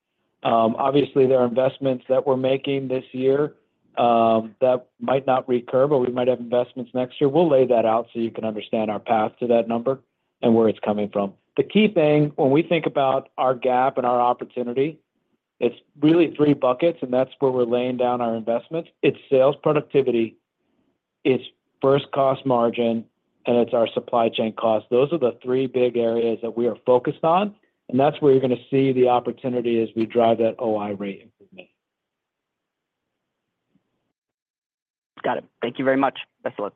Obviously, there are investments that we're making this year that might not recur, but we might have investments next year. We'll lay that out so you can understand our path to that number and where it's coming from. The key thing, when we think about our gap and our opportunity, it's really three buckets, and that's where we're laying down our investments. It's sales productivity, it's first cost margin, and it's our supply chain cost. Those are the three big areas that we are focused on, and that's where you're gonna see the opportunity as we drive that OI rate improvement. Got it. Thank you very much. Best of luck.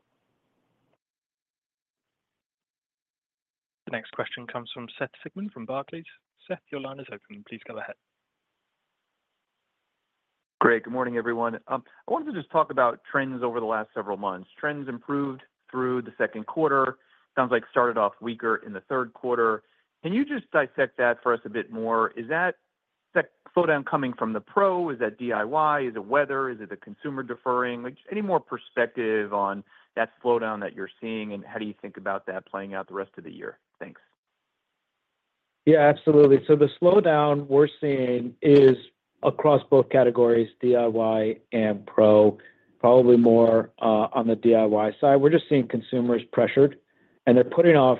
The next question comes from Seth Sigman from Barclays. Seth, your line is open. Please go ahead. Great. Good morning, everyone. I wanted to just talk about trends over the last several months. Trends improved through the second quarter. Sounds like started off weaker in the third quarter. Can you just dissect that for us a bit more? Is that slowdown coming from the pro? Is that DIY? Is it weather? Is it the consumer deferring? Like, any more perspective on that slowdown that you're seeing, and how do you think about that playing out the rest of the year? Thanks. Yeah, absolutely. So the slowdown we're seeing is across both categories, DIY and pro, probably more on the DIY side. We're just seeing consumers pressured, and they're putting off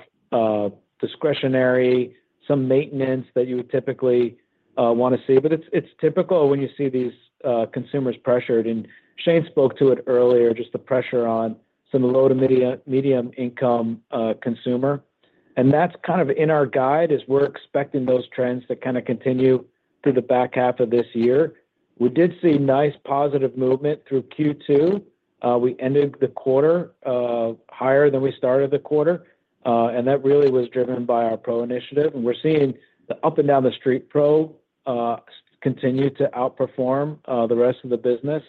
discretionary some maintenance that you would typically want to see. But it's typical when you see these consumers pressured, and Shane spoke to it earlier, just the pressure on some low- to medium-income consumer. And that's kind of in our guide, as we're expecting those trends to kinda continue through the back half of this year. We did see nice positive movement through Q2. We ended the quarter higher than we started the quarter, and that really was driven by our pro initiative. And we're seeing the up and down the street pro continue to outperform the rest of the business.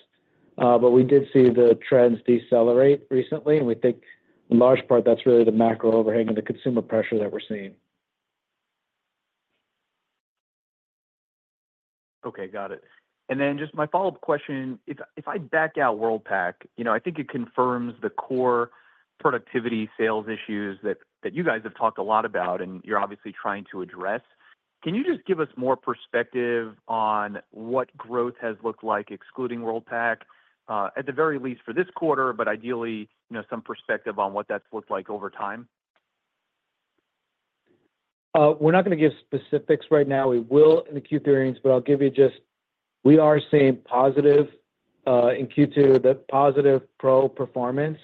But we did see the trends decelerate recently, and we think, in large part, that's really the macro overhang and the consumer pressure that we're seeing. Okay, got it. And then just my follow-up question: if I back out Worldpac, you know, I think it confirms the core productivity sales issues that you guys have talked a lot about, and you're obviously trying to address. Can you just give us more perspective on what growth has looked like, excluding Worldpac, at the very least for this quarter, but ideally, you know, some perspective on what that's looked like over time? We're not gonna give specifics right now. We will in the Q3 earnings, but I'll give you just... We are seeing positive in Q2, the positive pro performance.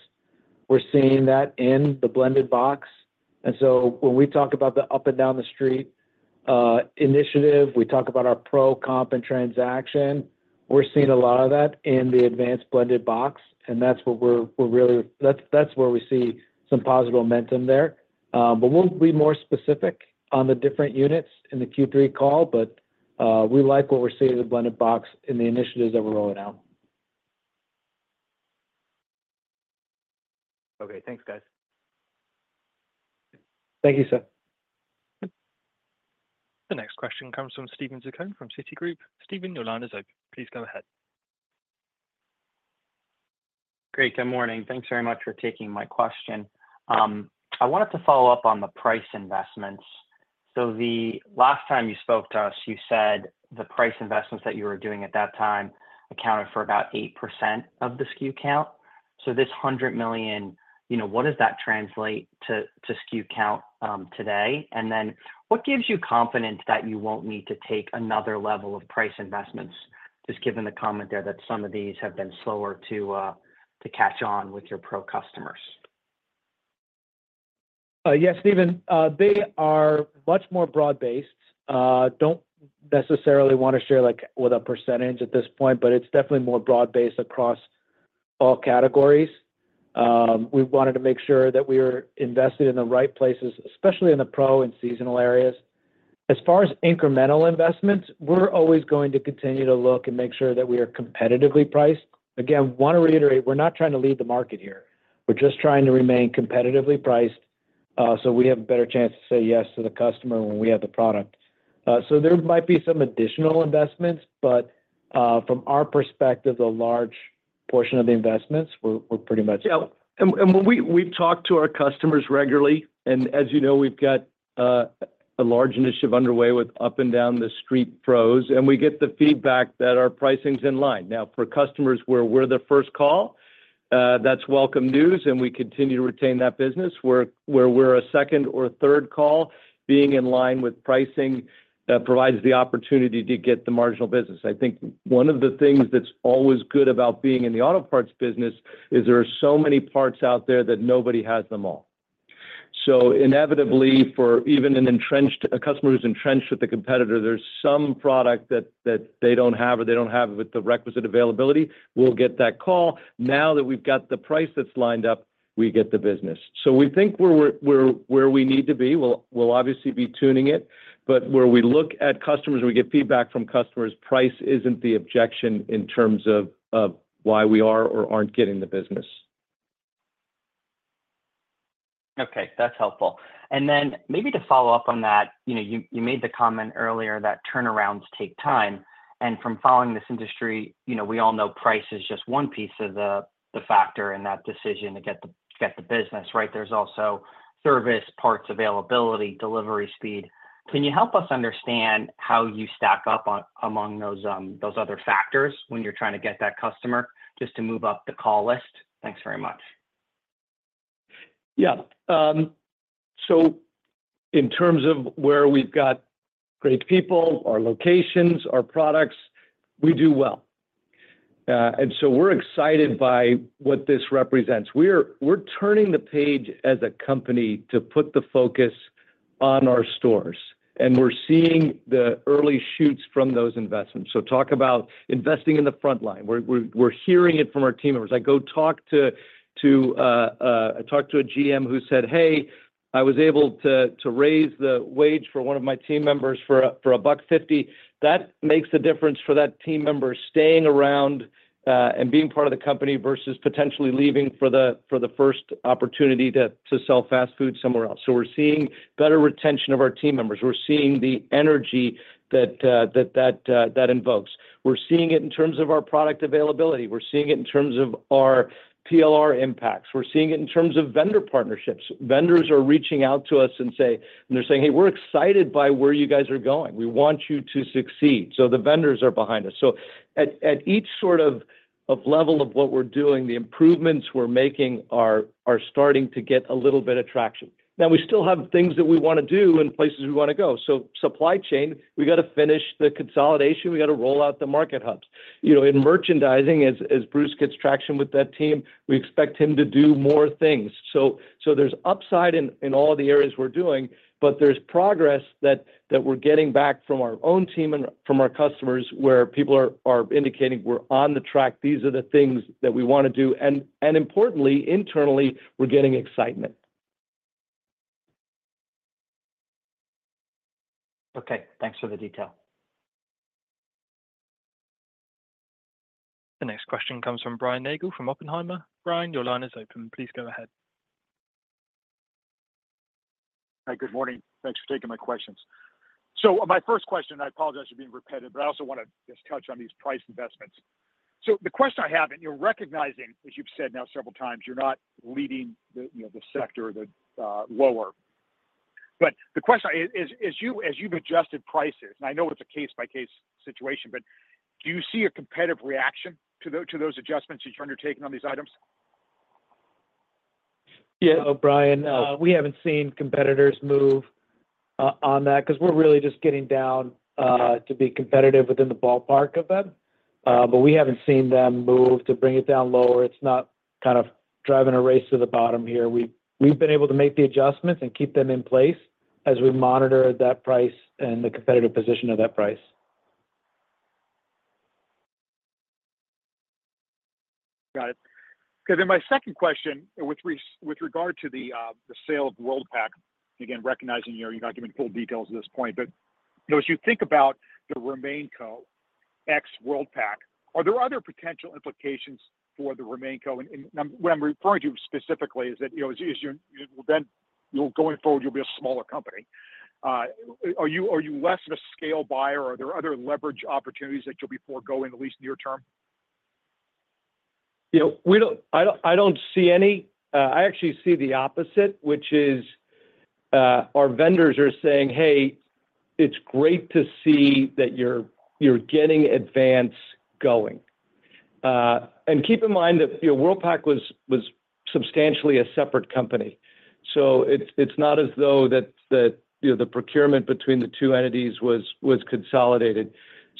We're seeing that in the blended box. And so when we talk about the up-and-down the street initiative, we talk about our pro comp and transaction, we're seeing a lot of that in the Advance blended box, and that's what we're really-- that's where we see some positive momentum there.... But we'll be more specific on the different units in the Q3 call, but we like what we're seeing as a blended box and the initiatives that we're rolling out. Okay. Thanks, guys. Thank you, sir. The next question comes from Steven Zaccone from Citigroup. Steven, your line is open. Please go ahead. Great. Good morning. Thanks very much for taking my question. I wanted to follow up on the price investments. So the last time you spoke to us, you said the price investments that you were doing at that time accounted for about 8% of the SKU count. So this $100 million, you know, what does that translate to, to SKU count, today? And then what gives you confidence that you won't need to take another level of price investments, just given the comment there that some of these have been slower to catch on with your pro customers? Yes, Steven, they are much more broad-based. Don't necessarily want to share, like, with a percentage at this point, but it's definitely more broad-based across all categories. We wanted to make sure that we are invested in the right places, especially in the pro and seasonal areas. As far as incremental investments, we're always going to continue to look and make sure that we are competitively priced. Again, want to reiterate, we're not trying to lead the market here. We're just trying to remain competitively priced, so we have a better chance to say yes to the customer when we have the product. So there might be some additional investments, but, from our perspective, the large portion of the investments, we're pretty much- Yeah. And we've talked to our customers regularly, and as you know, we've got a large initiative underway with Up and Down the Street pros, and we get the feedback that our pricing's in line. Now, for customers where we're their first call, that's welcome news, and we continue to retain that business. Where we're a second or third call, being in line with pricing provides the opportunity to get the marginal business. I think one of the things that's always good about being in the auto parts business is there are so many parts out there that nobody has them all. So inevitably, for even a customer who's entrenched with a competitor, there's some product that they don't have or they don't have with the requisite availability, we'll get that call. Now that we've got the price that's lined up, we get the business. So we think we're where we need to be. We'll obviously be tuning it, but where we look at customers and we get feedback from customers, price isn't the objection in terms of why we are or aren't getting the business. Okay, that's helpful. And then maybe to follow up on that, you know, you made the comment earlier that turnarounds take time, and from following this industry, you know, we all know price is just one piece of the factor in that decision to get the business, right? There's also service, parts availability, delivery speed. Can you help us understand how you stack up among those other factors when you're trying to get that customer just to move up the call list? Thanks very much. Yeah. So in terms of where we've got great people, our locations, our products, we do well. And so we're excited by what this represents. We're turning the page as a company to put the focus on our stores, and we're seeing the early shoots from those investments. So talk about investing in the front line. We're hearing it from our team members. I go talk to, I talked to a GM who said, "Hey, I was able to raise the wage for one of my team members for a buck fifty." That makes a difference for that team member staying around and being part of the company versus potentially leaving for the first opportunity to sell fast food somewhere else. So we're seeing better retention of our team members. We're seeing the energy that invokes. We're seeing it in terms of our product availability. We're seeing it in terms of our PLR impacts. We're seeing it in terms of vendor partnerships. Vendors are reaching out to us and they're saying: Hey, we're excited by where you guys are going. We want you to succeed. So the vendors are behind us. So at each sort of level of what we're doing, the improvements we're making are starting to get a little bit of traction. Now, we still have things that we want to do and places we want to go. So supply chain, we got to finish the consolidation, we got to roll out the market hubs. You know, in merchandising, as Bruce gets traction with that team, we expect him to do more things. So there's upside in all the areas we're doing, but there's progress that we're getting back from our own team and from our customers, where people are indicating we're on the track, these are the things that we want to do. And importantly, internally, we're getting excitement. Okay. Thanks for the detail. The next question comes from Brian Nagel from Oppenheimer. Brian, your line is open. Please go ahead. Hi, good morning. Thanks for taking my questions. So my first question, I apologize for being repetitive, but I also want to just touch on these price investments. So the question I have, and you're recognizing, as you've said now several times, you're not leading the, you know, the sector lower. But the question is, as you've adjusted prices, and I know it's a case-by-case situation, but do you see a competitive reaction to those adjustments that you're undertaking on these items? Yeah, Brian, we haven't seen competitors move on that, 'cause we're really just getting down to be competitive within the ballpark of them. But we haven't seen them move to bring it down lower. It's not kind of driving a race to the bottom here. We've been able to make the adjustments and keep them in place as we monitor that price and the competitive position of that price.... Got it. Okay, then my second question, with regard to the sale of Worldpac, again, recognizing you're not giving full details at this point, but, you know, as you think about the RemainCo ex Worldpac, are there other potential implications for the RemainCo? And what I'm referring to specifically is that, you know, as you well, then going forward, you'll be a smaller company. Are you less of a scale buyer, or are there other leverage opportunities that you'll be foregoing, at least near term? You know, we don't, I don't, I don't see any. I actually see the opposite, which is, our vendors are saying, "Hey, it's great to see that you're getting Advance going." And keep in mind that, you know, Worldpac was substantially a separate company. So it's not as though that, you know, the procurement between the two entities was consolidated.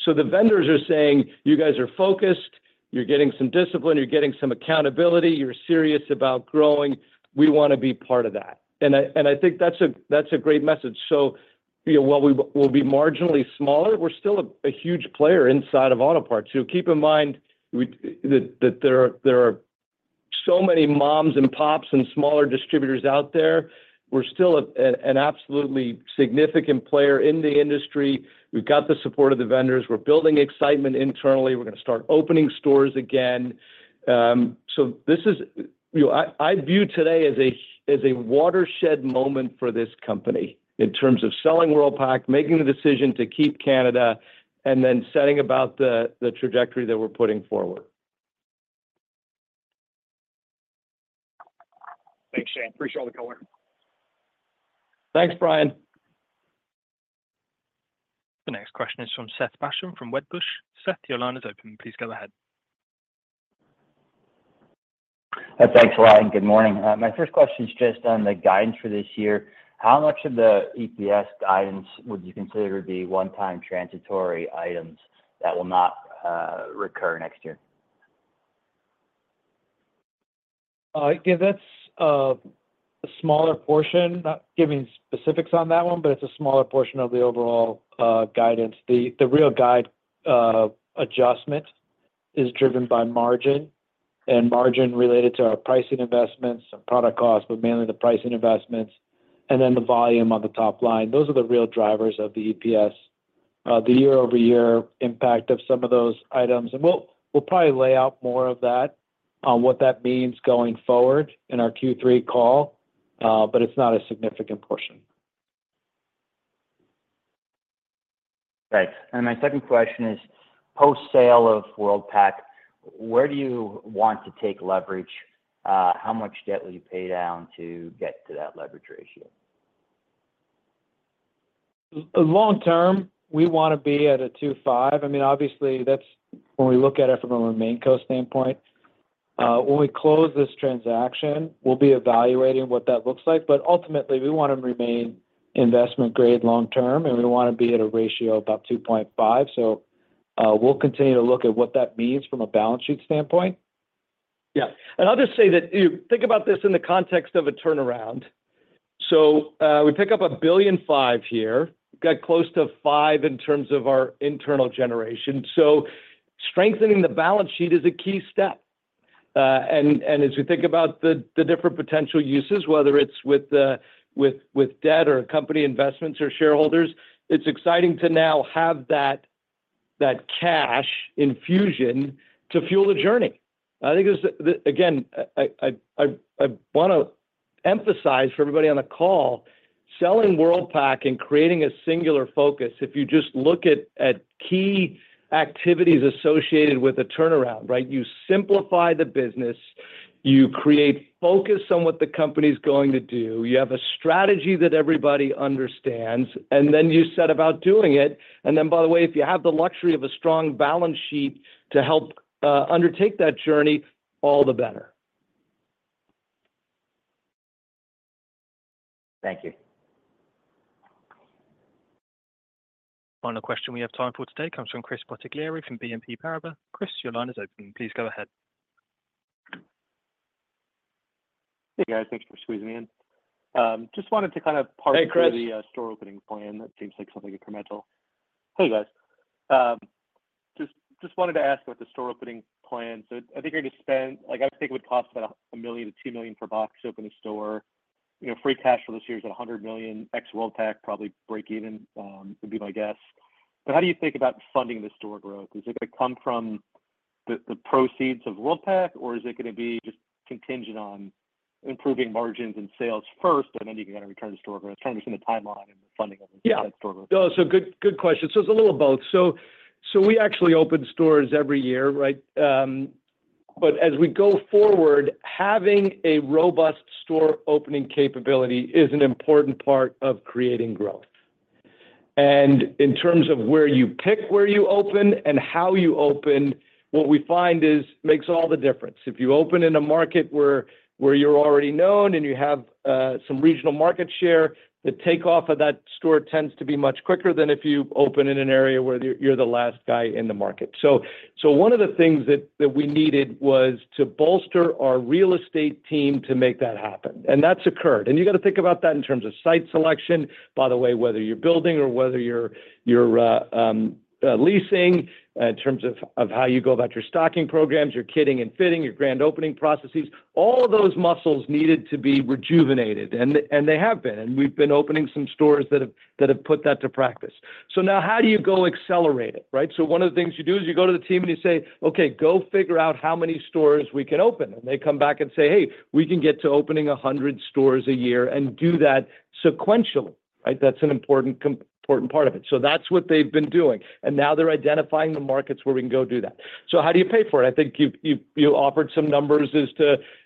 So the vendors are saying, "You guys are focused, you're getting some discipline, you're getting some accountability, you're serious about growing. We wanna be part of that." And I think that's a great message. So, you know, while we'll be marginally smaller, we're still a huge player inside of auto parts. So keep in mind, that there are so many moms and pops and smaller distributors out there. We're still an absolutely significant player in the industry. We've got the support of the vendors. We're building excitement internally. We're gonna start opening stores again. So this is you know, I view today as a watershed moment for this company in terms of selling Worldpac, making the decision to keep Canada, and then setting about the trajectory that we're putting forward. Thanks, Shane. Appreciate all the color. Thanks, Brian. The next question is from Seth Basham, from Wedbush. Seth, your line is open. Please go ahead. Thanks a lot, and good morning. My first question is just on the guidance for this year. How much of the EPS guidance would you consider to be one-time transitory items that will not recur next year? Yeah, that's a smaller portion. Not giving specifics on that one, but it's a smaller portion of the overall guidance. The real guide adjustment is driven by margin, and margin related to our pricing investments and product costs, but mainly the pricing investments, and then the volume on the top line. Those are the real drivers of the EPS, the year-over-year impact of some of those items. And we'll probably lay out more of that, on what that means going forward in our Q3 call, but it's not a significant portion. Thanks. My second question is, post-sale of Worldpac, where do you want to take leverage? How much debt will you pay down to get to that leverage ratio? Long term, we wanna be at a 2.5. I mean, obviously, that's when we look at it from a RemainCo standpoint. When we close this transaction, we'll be evaluating what that looks like, but ultimately, we wanna remain investment grade long term, and we wanna be at a ratio of about 2.5. So, we'll continue to look at what that means from a balance sheet standpoint. Yeah, and I'll just say that, you think about this in the context of a turnaround. So, we pick up $1.5 billion here, got close to $5 billion in terms of our internal generation. So strengthening the balance sheet is a key step. And as we think about the different potential uses, whether it's with debt or company investments or shareholders, it's exciting to now have that cash infusion to fuel the journey. I think it's, again, I wanna emphasize for everybody on the call, selling Worldpac and creating a singular focus. If you just look at key activities associated with a turnaround, right? You simplify the business, you create focus on what the company's going to do, you have a strategy that everybody understands, and then you set about doing it. And then, by the way, if you have the luxury of a strong balance sheet to help undertake that journey, all the better. Thank you. Final question we have time for today comes from Chris Bottiglieri from BNP Paribas. Chris, your line is open. Please go ahead. Hey, guys. Thanks for squeezing me in. Just wanted to kind of partner- Hey, Chris... with the store opening plan. That seems like something incremental. Hey, guys. Just wanted to ask about the store opening plan. So I think you're going to spend... Like, I think it would cost about $1 million-$2 million per box to open a store. You know, free cash flow this year is $100 million, ex Worldpac, probably break even, would be my guess. But how do you think about funding the store growth? Is it gonna come from the proceeds of Worldpac, or is it gonna be just contingent on improving margins and sales first, and then you can return to store growth? I'm trying to understand the timeline and the funding of it. Yeah. So good, good question. So it's a little of both. So we actually open stores every year, right? But as we go forward, having a robust store-opening capability is an important part of creating growth. And in terms of where you pick where you open and how you open, what we find is makes all the difference. If you open in a market where you're already known and you have some regional market share, the take-off of that store tends to be much quicker than if you open in an area where you're the last guy in the market. So one of the things that we needed was to bolster our real estate team to make that happen, and that's occurred. You got to think about that in terms of site selection, by the way, whether you're building or whether you're leasing, in terms of how you go about your stocking programs, your kitting and fitting, your grand opening processes. All of those muscles needed to be rejuvenated, and they have been. We've been opening some stores that have put that to practice. Now how do you go accelerate it, right? One of the things you do is you go to the team and you say, "Okay, go figure out how many stores we can open." They come back and say, "Hey, we can get to opening 100 stores a year and do that sequentially," right? That's an important part of it. That's what they've been doing, and now they're identifying the markets where we can go do that. So how do you pay for it? I think you've offered some numbers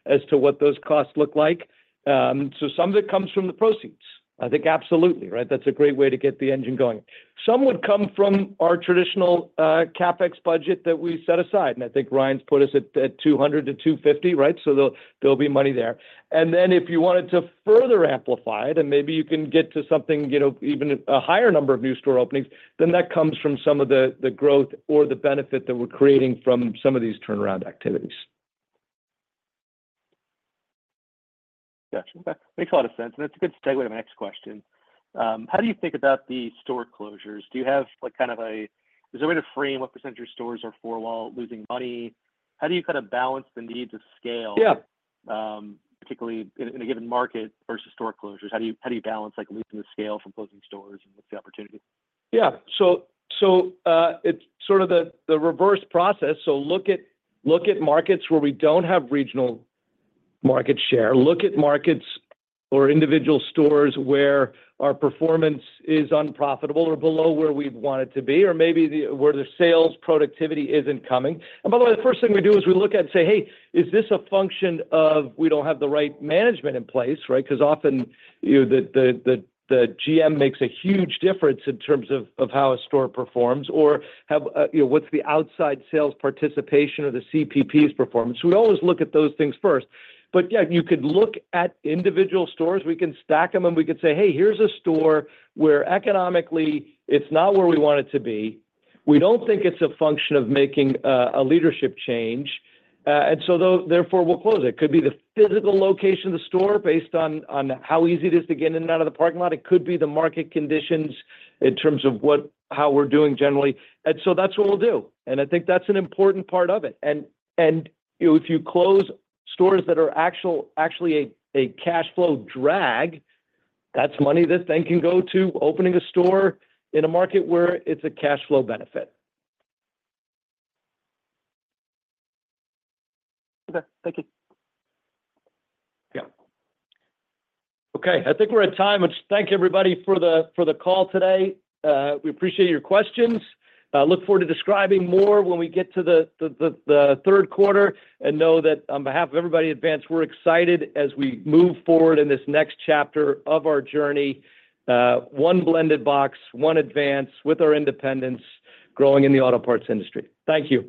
as to what those costs look like. So some of it comes from the proceeds. I think absolutely, right? That's a great way to get the engine going. Some would come from our traditional CapEx budget that we set aside, and I think Ryan's put us at 200-250, right? So there'll be money there. And then if you wanted to further amplify it, and maybe you can get to something, you know, even a higher number of new store openings, then that comes from some of the growth or the benefit that we're creating from some of these turnaround activities. Gotcha. That makes a lot of sense, and it's a good segue to my next question. How do you think about the store closures? Do you have, like, kind of a... Is there a way to frame what percentage of stores are for while losing money? How do you kind of balance the need to scale- Yeah... particularly in a given market versus store closures? How do you- how do you balance, like, losing the scale from closing stores and what's the opportunity? Yeah. So, it's sort of the reverse process. So look at markets where we don't have regional market share. Look at markets or individual stores where our performance is unprofitable or below where we'd want it to be, or maybe where the sales productivity isn't coming. And by the way, the first thing we do is we look at and say, "Hey, is this a function of we don't have the right management in place," right? Because often, you, the GM makes a huge difference in terms of how a store performs, or have, you know, what's the outside sales participation or the CPP's performance. We always look at those things first. But yeah, you could look at individual stores. We can stack them, and we could say, "Hey, here's a store where economically, it's not where we want it to be. We don't think it's a function of making a leadership change, and so therefore, we'll close it." Could be the physical location of the store based on how easy it is to get in and out of the parking lot. It could be the market conditions in terms of what, how we're doing generally. And so that's what we'll do. And I think that's an important part of it. And, you know, if you close stores that are actually a cash flow drag, that's money that then can go to opening a store in a market where it's a cash flow benefit. Okay. Thank you. Yeah. Okay, I think we're at time. Thank you, everybody, for the call today. We appreciate your questions. Look forward to describing more when we get to the third quarter, and know that on behalf of everybody at Advance, we're excited as we move forward in this next chapter of our journey. One Blended Box, one Advance with our independents growing in the auto parts industry. Thank you.